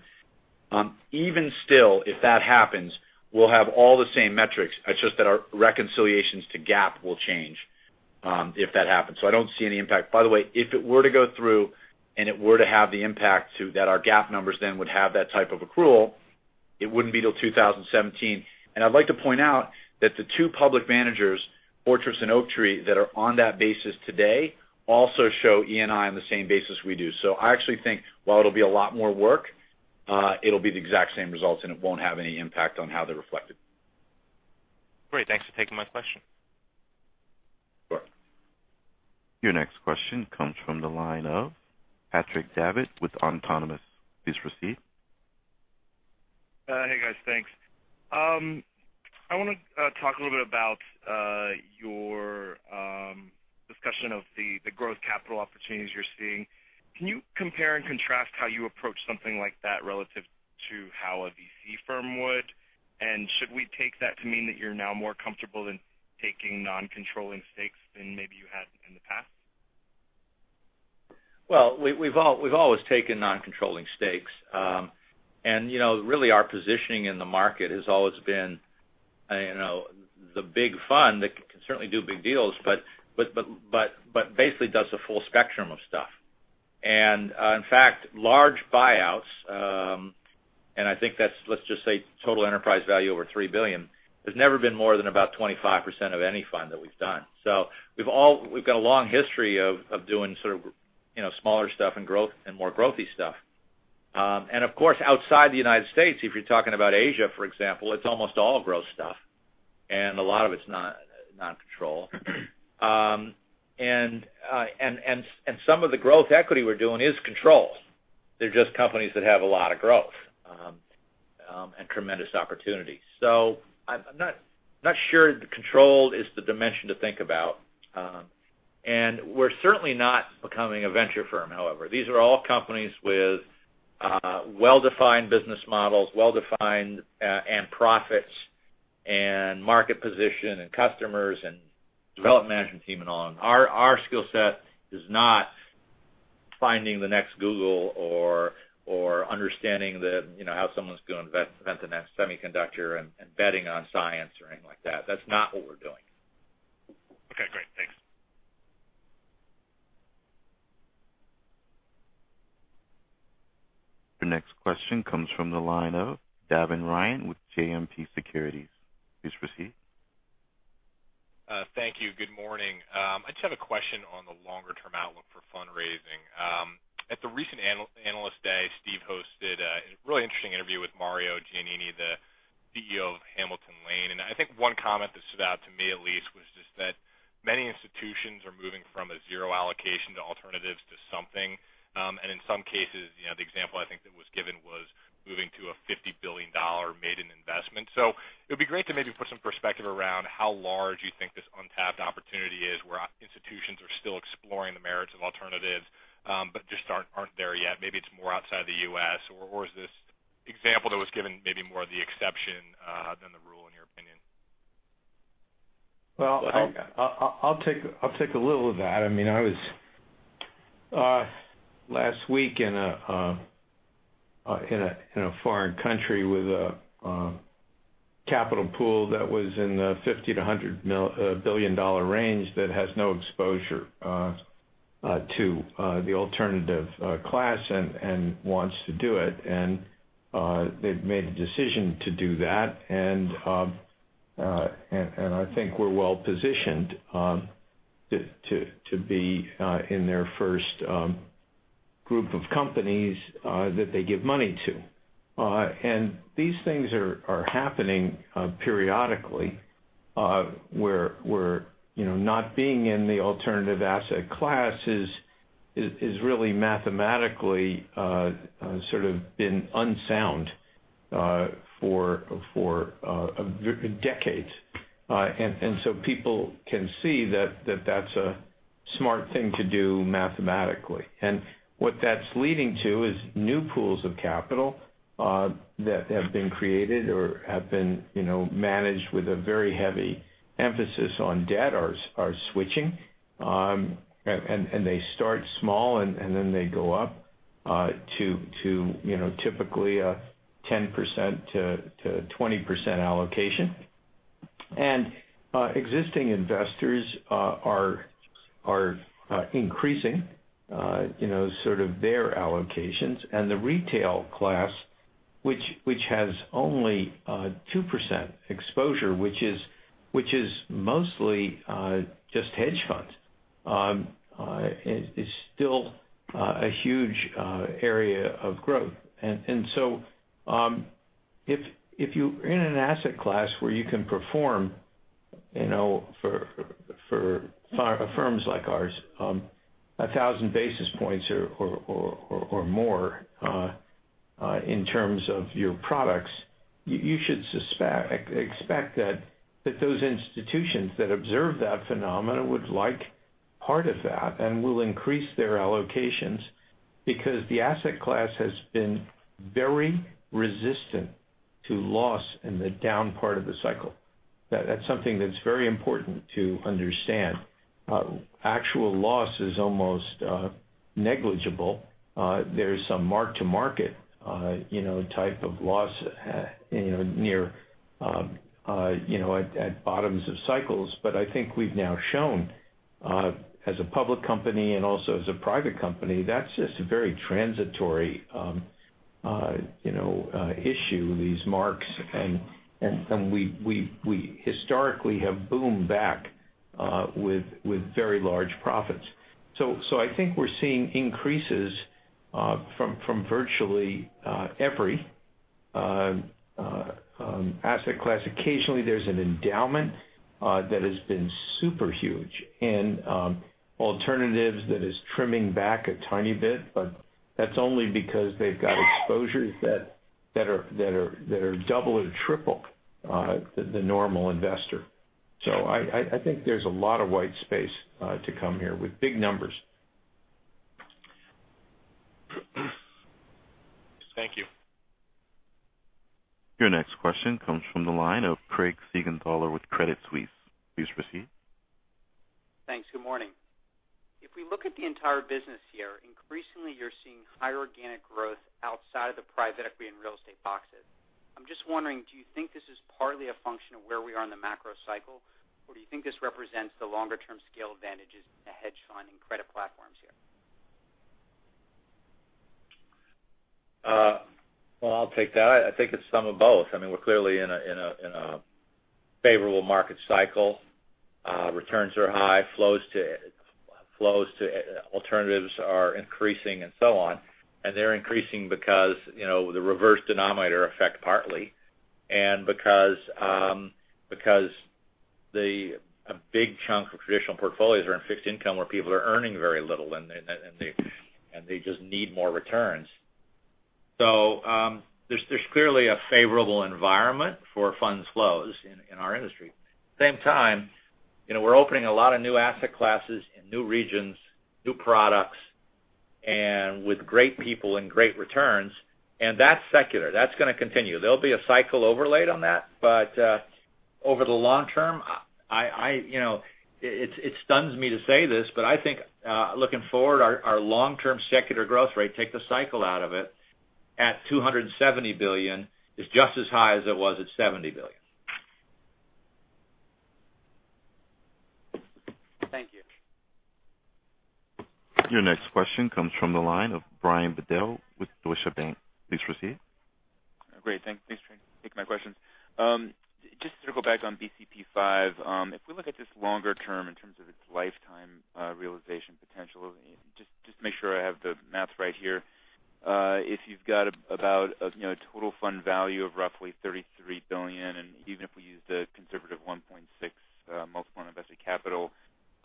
Even still, if that happens, we'll have all the same metrics. It's just that our reconciliations to GAAP will change, if that happens. I don't see any impact. By the way, if it were to go through, and it were to have the impact to that, our GAAP numbers then would have that type of accrual. It wouldn't be till 2017. I'd like to point out that the two public managers, Fortress and Oaktree, that are on that basis today, also show ENI on the same basis we do. I actually think while it'll be a lot more work, it'll be the exact same results, and it won't have any impact on how they're reflected. Great. Thanks for taking my question. Sure. Your next question comes from the line of Patrick Davitt with Autonomous Research. Please proceed. Hey, guys. Thanks. I want to talk a little bit about your discussion of the growth capital opportunities you're seeing. Can you compare and contrast how you approach something like that relative to how a VC firm would? Should we take that to mean that you're now more comfortable in taking non-controlling stakes than maybe you had in the past? Well, we've always taken non-controlling stakes. Really our positioning in the market has always been the big fund that can certainly do big deals, but basically does a full spectrum of stuff. In fact, large buyouts, and I think that's, let's just say, total enterprise value over $3 billion, has never been more than about 25% of any fund that we've done. We've got a long history of doing sort of smaller stuff and more growthy stuff. Of course, outside the U.S., if you're talking about Asia, for example, it's almost all growth stuff, and a lot of it's not controlled. Some of the growth equity we're doing is controlled. They're just companies that have a lot of growth, and tremendous opportunity. I'm not sure controlled is the dimension to think about. We're certainly not becoming a venture firm, however. These are all companies with well-defined business models, well-defined and profits, and market position, and customers, and developed management team and all. Our skill set is not finding the next Google or understanding how someone's going to invent the next semiconductor and betting on science or anything like that. That's not what we're doing. Okay, great. Thanks. The next question comes from the line of Devin Ryan with JMP Securities. Please proceed. Thank you. Good morning. I just have a question on the longer-term outlook for fundraising. At the recent Analyst Day, Steve hosted a really interesting interview with Mario Giannini, the CEO of Hamilton Lane. I think one comment that stood out to me at least was just that many institutions are moving from a zero allocation to alternatives to something. In some cases, the example I think that was given was moving to a $50 billion maiden investment. It'd be great to maybe put some perspective around how large you think this untapped opportunity is, where institutions are still exploring the merits of alternatives, but just aren't there yet. Maybe it's more outside the U.S., or is this example that was given maybe more the exception than the rule, in your opinion? Well, I'll take a little of that. I was, last week in a foreign country with a capital pool that was in the $50 billion-$100 billion range that has no exposure to the alternative class and wants to do it. They've made the decision to do that. I think we're well-positioned, to be in their first group of companies that they give money to. These things are happening periodically, where not being in the alternative asset class is really mathematically sort of been unsound for decades. People can see that that's a smart thing to do mathematically. What that's leading to is new pools of capital that have been created or have been managed with a very heavy emphasis on debt are switching. They start small, and then they go up to typically a 10%-20% allocation. Existing investors are increasing their allocations. The retail class, which has only 2% exposure, which is mostly just hedge funds, is still a huge area of growth. If you're in an asset class where you can perform for firms like ours, 1,000 basis points or more in terms of your products, you should expect that those institutions that observe that phenomenon would like part of that and will increase their allocations because the asset class has been very resistant To loss in the down part of the cycle. That's something that's very important to understand. Actual loss is almost negligible. There's some mark-to-market type of loss near at bottoms of cycles. I think we've now shown as a public company and also as a private company, that's just a very transitory issue, these marks. We historically have boomed back with very large profits. I think we're seeing increases from virtually every asset class. Occasionally, there's an endowment that has been super huge and alternatives that is trimming back a tiny bit, but that's only because they've got exposures that are double or triple the normal investor. I think there's a lot of white space to come here with big numbers. Thank you. Your next question comes from the line of Craig Siegenthaler with Credit Suisse. Please proceed. Thanks. Good morning. If we look at the entire business here, increasingly, you're seeing higher organic growth outside of the private equity and real estate boxes. I'm just wondering, do you think this is partly a function of where we are in the macro cycle, or do you think this represents the longer-term scale advantages in the hedge fund and credit platforms here? Well, I'll take that. I think it's some of both. We're clearly in a favorable market cycle. Returns are high. Flows to alternatives are increasing and so on, and they're increasing because the reverse denominator effect partly, and because a big chunk of traditional portfolios are in fixed income where people are earning very little, and they just need more returns. There's clearly a favorable environment for funds flows in our industry. Same time, we're opening a lot of new asset classes in new regions, new products, and with great people and great returns, and that's secular. That's going to continue. There'll be a cycle overlaid on that. Over the long term, it stuns me to say this, but I think looking forward, our long-term secular growth rate, take the cycle out of it, at $270 billion is just as high as it was at $70 billion. Thank you. Your next question comes from the line of Brian Bedell with Deutsche Bank. Please proceed. Great. Thanks for taking my questions. Just to go back on BCP V, if we look at this longer term in terms of its lifetime realization potential, just to make sure I have the math right here. If you've got about a total fund value of roughly $33 billion, and even if we use the conservative 1.6 multiple on invested capital,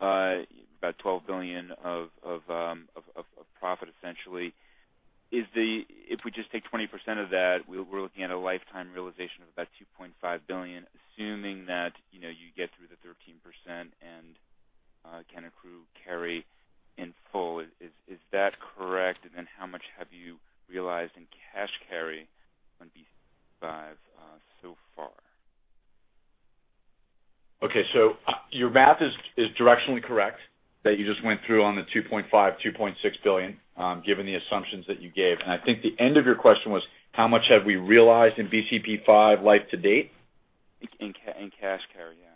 about $12 billion of profit, essentially. If we just take 20% of that, we're looking at a lifetime realization of about $2.5 billion, assuming that you get through the 13% and can accrue carry in full. Is that correct? Then how much have you realized in cash carry on BCP V so far? Okay. Your math is directionally correct, that you just went through on the $2.5 billion-$2.6 billion, given the assumptions that you gave. I think the end of your question was how much have we realized in BCP V life to date? In cash carry, yeah.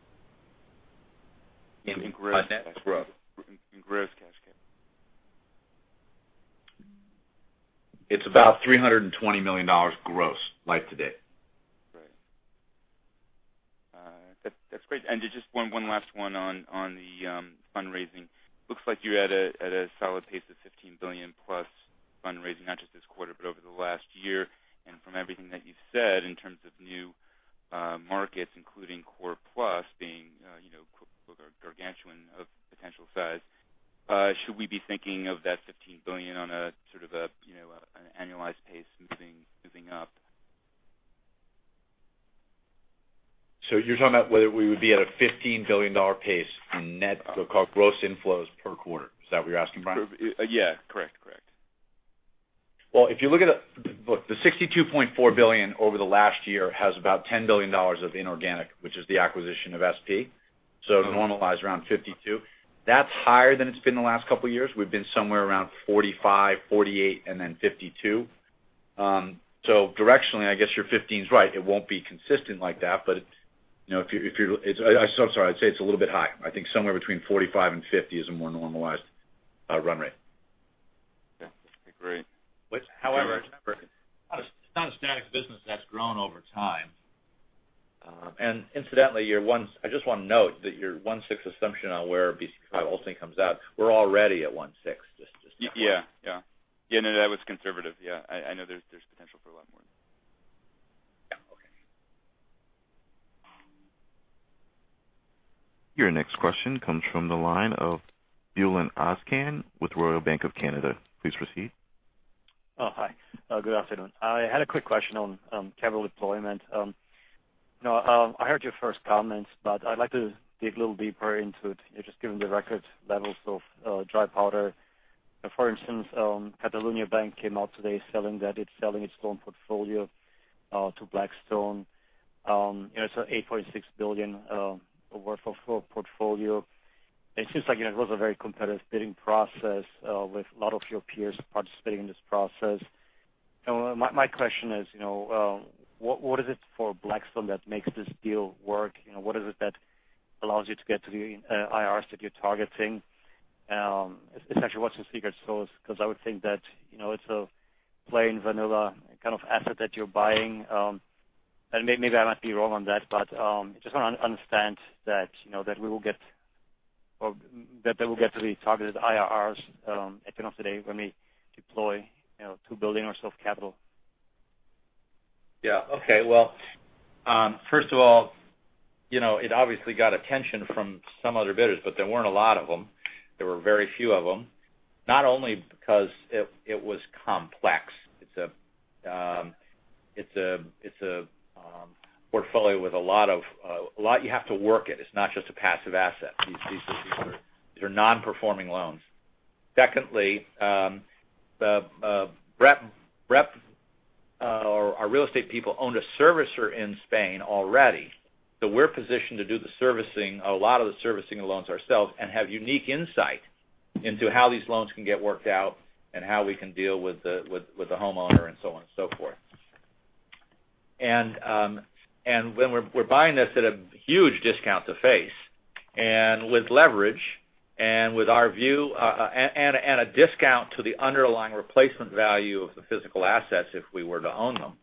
In net? In gross cash carry. It's about $320 million gross life to date. Great. That's great. Just one last one on the fundraising. Looks like you're at a solid pace of $15 billion-plus fundraising, not just this quarter, but over the last year. From everything that you've said in terms of new markets, including Core Plus being "gargantuan" of potential size. Should we be thinking of that $15 billion on a sort of an annualized pace moving up? You're talking about whether we would be at a $15 billion pace in net, call it gross inflows per quarter. Is that what you're asking, Brian? Yeah. Correct. If you look at the $62.4 billion over the last year has about $10 billion of inorganic, which is the acquisition of SP. Normalize around 52. That's higher than it's been the last couple of years. We've been somewhere around 45, 48, and then 52. Directionally, I guess your 15's right. It won't be consistent like that. I'm sorry. I'd say it's a little bit high. I think somewhere between 45 and 50 is a more normalized run rate. Yeah. Agree. Remember, it's not a static business. It has grown over time. Incidentally, I just want to note that your one-sixth assumption on where BCP V ultimately comes out, we're already at one-sixth. Just to point out. Yeah. That was conservative. Yeah, I know there's potential for a lot more. Yeah. Okay. Your next question comes from the line of Bulent Ozcan with Royal Bank of Canada. Please proceed. Hi. Good afternoon. I had a quick question on capital deployment. No, I heard your first comments, but I'd like to dig a little deeper into it, just given the record levels of dry powder. For instance, Catalunya Banc came out today saying that it's selling its loan portfolio to Blackstone. It's an $8.6 billion portfolio. It seems like it was a very competitive bidding process with a lot of your peers participating in this process. My question is, what is it for Blackstone that makes this deal work? What is it that allows you to get to the IRs that you're targeting? Essentially, what's the secret sauce? I would think that it's a plain vanilla kind of asset that you're buying. Maybe I might be wrong on that, but I just want to understand that they will get to the targeted IRRs at the end of the day when we deploy to building our self-capital. Okay. First of all, it obviously got attention from some other bidders. There weren't a lot of them. There were very few of them, not only because it was complex, it's a portfolio with a lot you have to work at. It's not just a passive asset. These are non-performing loans. Secondly, our real estate people owned a servicer in Spain already. We're positioned to do a lot of the servicing of loans ourselves and have unique insight into how these loans can get worked out and how we can deal with the homeowner and so on and so forth. We're buying this at a huge discount to face and with leverage and a discount to the underlying replacement value of the physical assets if we were to own them.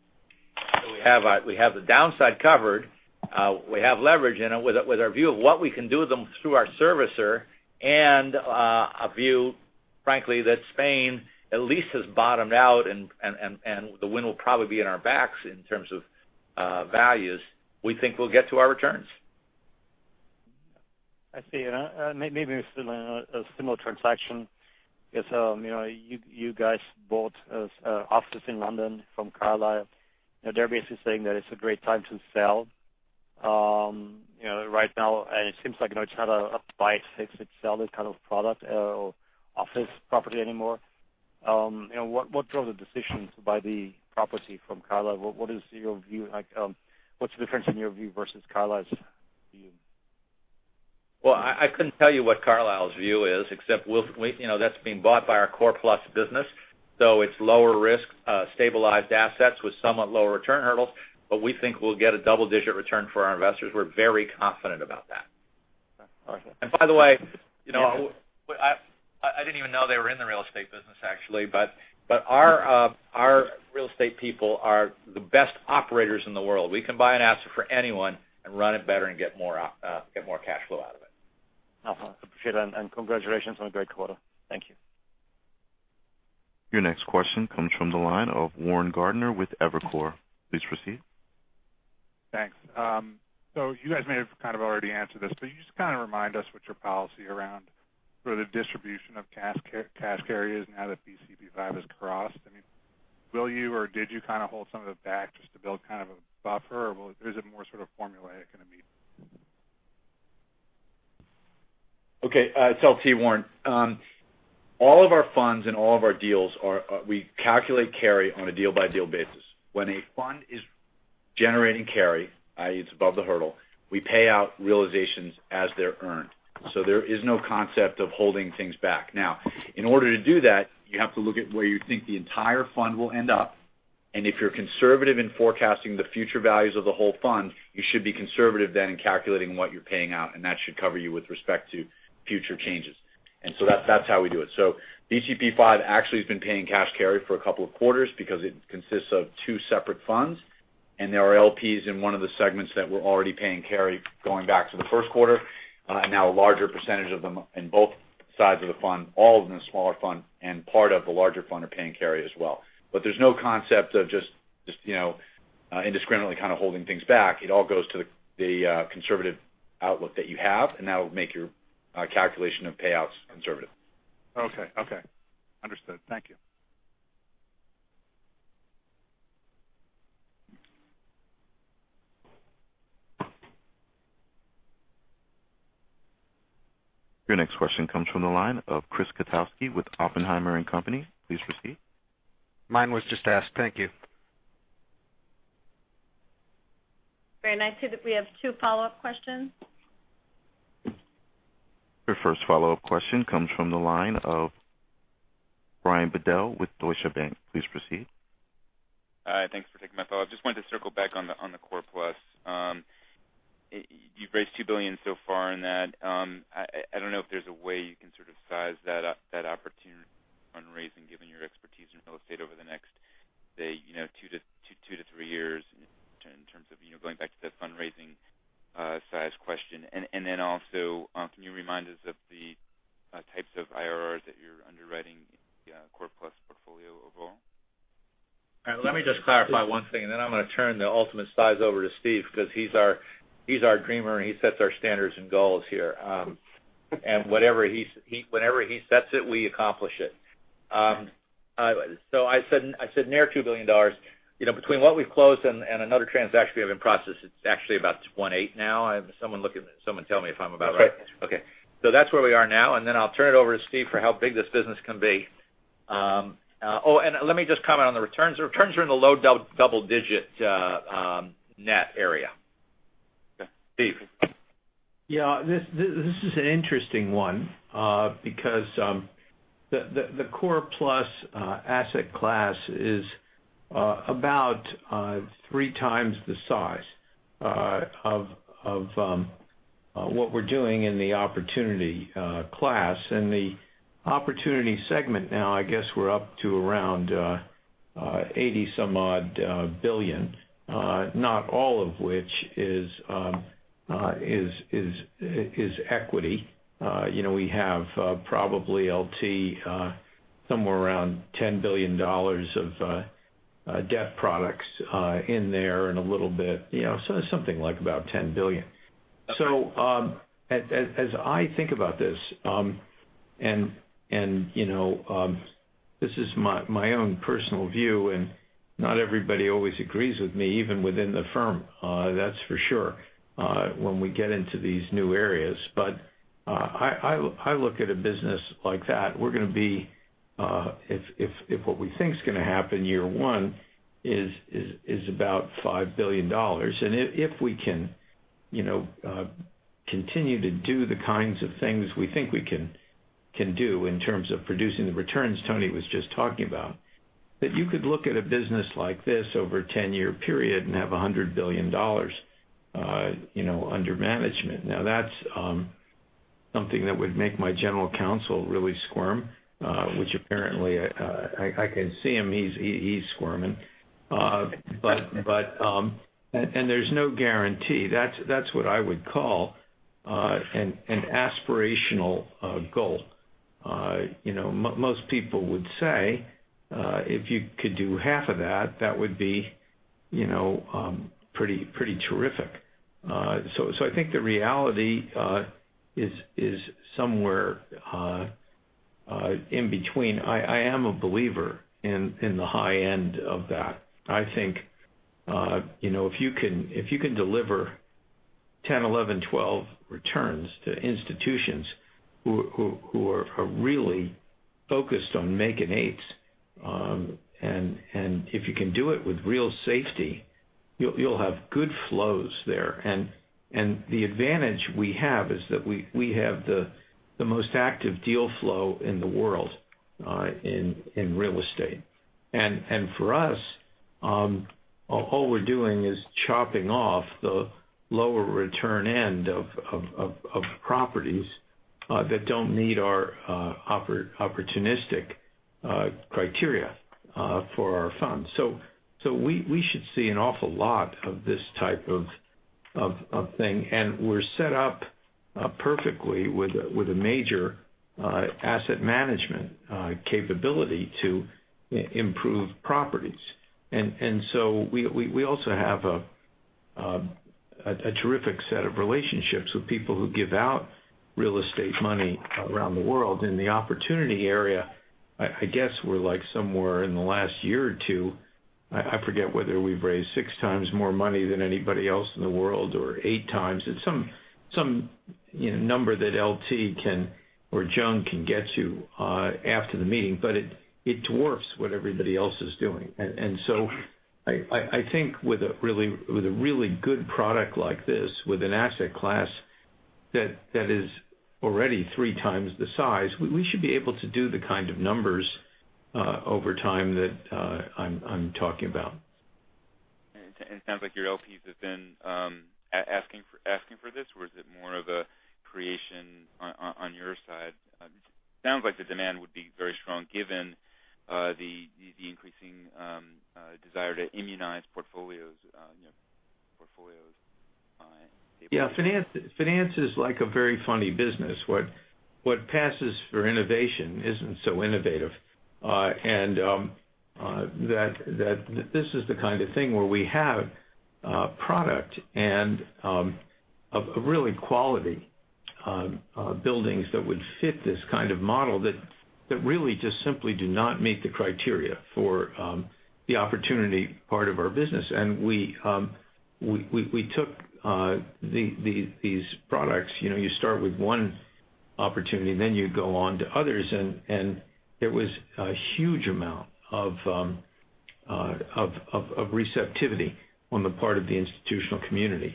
We have the downside covered. We have leverage in it with our view of what we can do with them through our servicer and a view, frankly, that Spain at least has bottomed out and the wind will probably be in our backs in terms of values. We think we'll get to our returns. I see. Maybe a similar transaction. You guys bought office in London from Carlyle. They're basically saying that it's a great time to sell right now. It seems like it's not a buy it, fix it, sell it kind of product or office property anymore. What drove the decision to buy the property from Carlyle? What's the difference in your view versus Carlyle's view? I couldn't tell you what Carlyle's view is, except that's being bought by our Core Plus business. It's lower risk, stabilized assets with somewhat lower return hurdles. We think we'll get a double-digit return for our investors. We're very confident about that. Okay. By the way, I didn't even know they were in the real estate business, actually. Our real estate people are the best operators in the world. We can buy an asset for anyone and run it better and get more cash flow out of it. Awesome. Appreciate it, and congratulations on a great quarter. Thank you. Your next question comes from the line of Warren Gardiner with Evercore. Please proceed. Thanks. You guys may have kind of already answered this, but can you just remind us what your policy around the distribution of cash carry is now that BCP V has crossed? Will you or did you kind of hold some of it back just to build kind of a buffer, or is it more sort of formulaic and immediate? Okay. LT, Warren. All of our funds and all of our deals, we calculate carry on a deal-by-deal basis. When a fund is generating carry, i.e., it's above the hurdle, we pay out realizations as they're earned. There is no concept of holding things back. Now, in order to do that, you have to look at where you think the entire fund will end up, and if you're conservative in forecasting the future values of the whole fund, you should be conservative then in calculating what you're paying out, and that should cover you with respect to future changes. That's how we do it. BCP V actually has been paying cash carry for a couple of quarters because it consists of two separate funds, and there are LPs in one of the segments that were already paying carry going back to the first quarter. Now a larger percentage of them in both sides of the fund, all of them in the smaller fund and part of the larger fund are paying carry as well. There's no concept of just indiscriminately kind of holding things back. It all goes to the conservative outlook that you have, and that'll make your calculation of payouts conservative. Okay. Understood. Thank you. Your next question comes from the line of Chris Kotowski with Oppenheimer & Co.. Please proceed. Mine was just asked. Thank you. Very. I see that we have two follow-up questions. Your first follow-up question comes from the line of Brian Bedell with Deutsche Bank. Please proceed. Hi. Thanks for taking my follow-up. Just wanted to circle back on the Core Plus. You've raised $2 billion so far in that. I don't know if there's a way you can sort of size that opportunity on raising, given your expertise in real estate over the next two to three years in terms of going back to that fundraising size question. Can you remind us of the types of IRRs that you're underwriting in the Core Plus portfolio overall? Let me just clarify one thing, then I'm going to turn the ultimate size over to Steve because he's our He's our dreamer, he sets our standards and goals here. Whenever he sets it, we accomplish it. I said near $2 billion. Between what we've closed and another transaction we have in process, it's actually about $1.8 now. Someone tell me if I'm about right. That's right. Okay. That's where we are now, then I'll turn it over to Steve for how big this business can be. Oh, let me just comment on the returns. The returns are in the low double-digit net area. Yeah. Steve. Yeah. This is an interesting one, because the Core Plus asset class is about 3 times the size of what we're doing in the opportunity class. The opportunity segment now, I guess we're up to around 80 some odd billion, not all of which is equity. We have probably LT somewhere around $10 billion of debt products in there and a little bit. Something like about $10 billion. Okay. As I think about this, not everybody always agrees with me, even within the firm. That's for sure, when we get into these new areas. I look at a business like that, we're going to be, if what we think is going to happen year one is about $5 billion. If we can continue to do the kinds of things we think we can do in terms of producing the returns Tony was just talking about, that you could look at a business like this over a 10-year period and have $100 billion under management. That's something that would make my general counsel really squirm, which apparently, I can see him. He's squirming. There's no guarantee. That's what I would call an aspirational goal. Most people would say, if you could do half of that would be pretty terrific. I think the reality is somewhere in between. I am a believer in the high end of that. I think if you can deliver 10, 11, 12 returns to institutions who are really focused on making 8s, if you can do it with real safety, you'll have good flows there. The advantage we have is that we have the most active deal flow in the world in real estate. For us, all we're doing is chopping off the lower return end of properties that don't meet our opportunistic criteria for our funds. We should see an awful lot of this type of thing. We're set up perfectly with a major asset management capability to improve properties. We also have a terrific set of relationships with people who give out real estate money around the world. In the opportunity area, I guess we're like somewhere in the last year or two, I forget whether we've raised six times more money than anybody else in the world, or eight times. It's some number that LT can, or Joan can get you after the meeting, but it dwarfs what everybody else is doing. I think with a really good product like this, with an asset class that is already three times the size, we should be able to do the kind of numbers over time that I'm talking about. It sounds like your LPs have been asking for this, or is it more of a creation on your side? It sounds like the demand would be very strong given the increasing desire to immunize portfolios. Yeah. Finance is like a very funny business. What passes for innovation isn't so innovative. That this is the kind of thing where we have a product and of really quality buildings that would fit this kind of model that really just simply do not meet the criteria for the opportunity part of our business. We took these products. You start with one opportunity, then you go on to others, and there was a huge amount of receptivity on the part of the institutional community.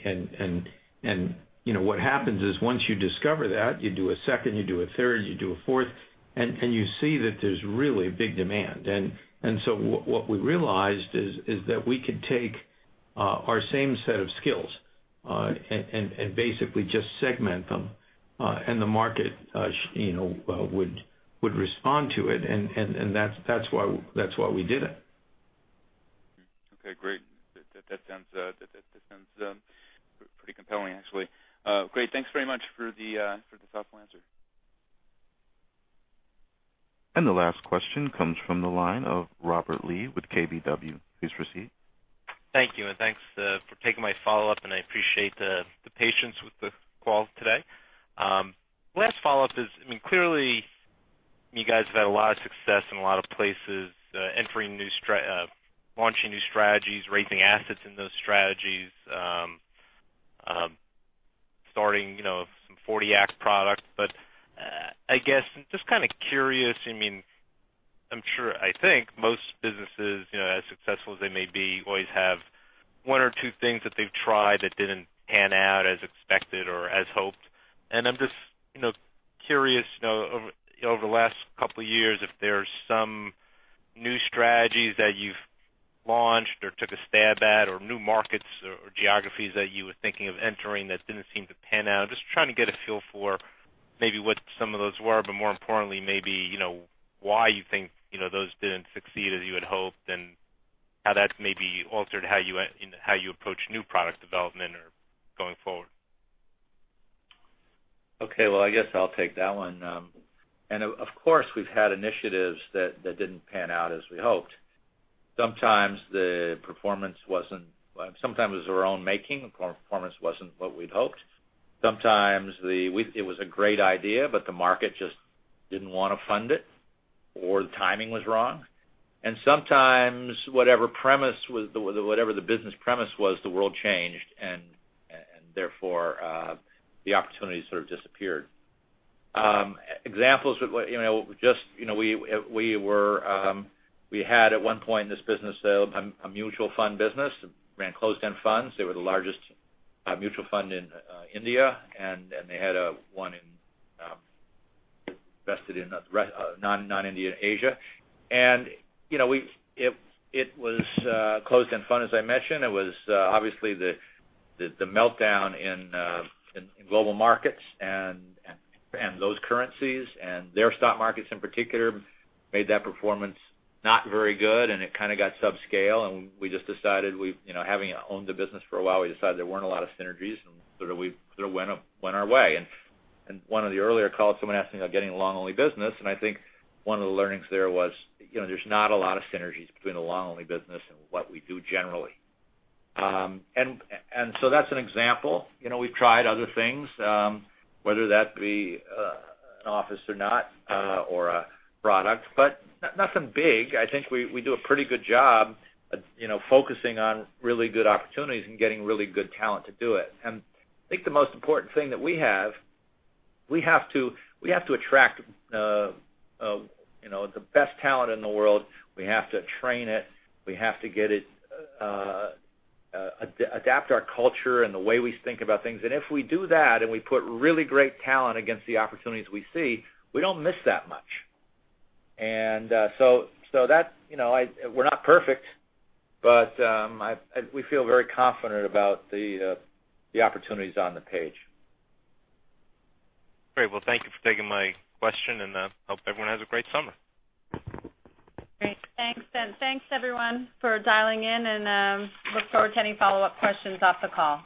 What happens is, once you discover that, you do a second, you do a third, you do a fourth, and you see that there's really a big demand. What we realized is that we could take our same set of skills, and basically just segment them, and the market would respond to it. That's why we did it. Okay, great. That sounds pretty compelling, actually. Great. Thanks very much for the thoughtful answer. The last question comes from the line of Robert Lee with KBW. Please proceed. Thank you, thanks for taking my follow-up, and I appreciate the patience with the call today. Last follow-up is, clearly you guys have had a lot of success in a lot of places, launching new strategies, raising assets in those strategies, starting some '40 Act products. I guess, just kind of curious, I think most businesses, as successful as they may be, always have one or two things that they've tried that didn't pan out as expected or as hoped. I'm just curious, over the last couple of years, if there's some new strategies that you've launched or took a stab at, or new markets or geographies that you were thinking of entering that didn't seem to pan out. Just trying to get a feel for maybe what some of those were, but more importantly, maybe why you think those didn't succeed as you had hoped, and how that's maybe altered how you approach new product development or going forward. Okay. Well, I guess I'll take that one. Of course, we've had initiatives that didn't pan out as we hoped. Sometimes it was our own making, performance wasn't what we'd hoped. Sometimes it was a great idea, but the market just didn't want to fund it or the timing was wrong. Sometimes whatever the business premise was, the world changed, and therefore, the opportunity sort of disappeared. Examples, we had at one point in this business, a mutual fund business. It ran closed-end funds. They were the largest mutual fund in India, and they had one invested in non-Indian Asia. It was a closed-end fund, as I mentioned. It was obviously the meltdown in global markets and those currencies, and their stock markets in particular made that performance not very good, and it kind of got subscale. Having owned the business for a while, we decided there weren't a lot of synergies, we went our way. In one of the earlier calls, someone asked me about getting a long-only business, I think one of the learnings there was, there's not a lot of synergies between a long-only business and what we do generally. That's an example. We've tried other things, whether that be an office or not, or a product, but nothing big. I think we do a pretty good job focusing on really good opportunities and getting really good talent to do it. I think the most important thing that we have, we have to attract the best talent in the world. We have to train it. We have to adapt our culture and the way we think about things. If we do that, we put really great talent against the opportunities we see, we don't miss that much. We're not perfect, but we feel very confident about the opportunities on the page. Great. Well, thank you for taking my question. I hope everyone has a great summer. Great. Thanks, Ben. Thanks, everyone, for dialing in. Look forward to any follow-up questions off the call.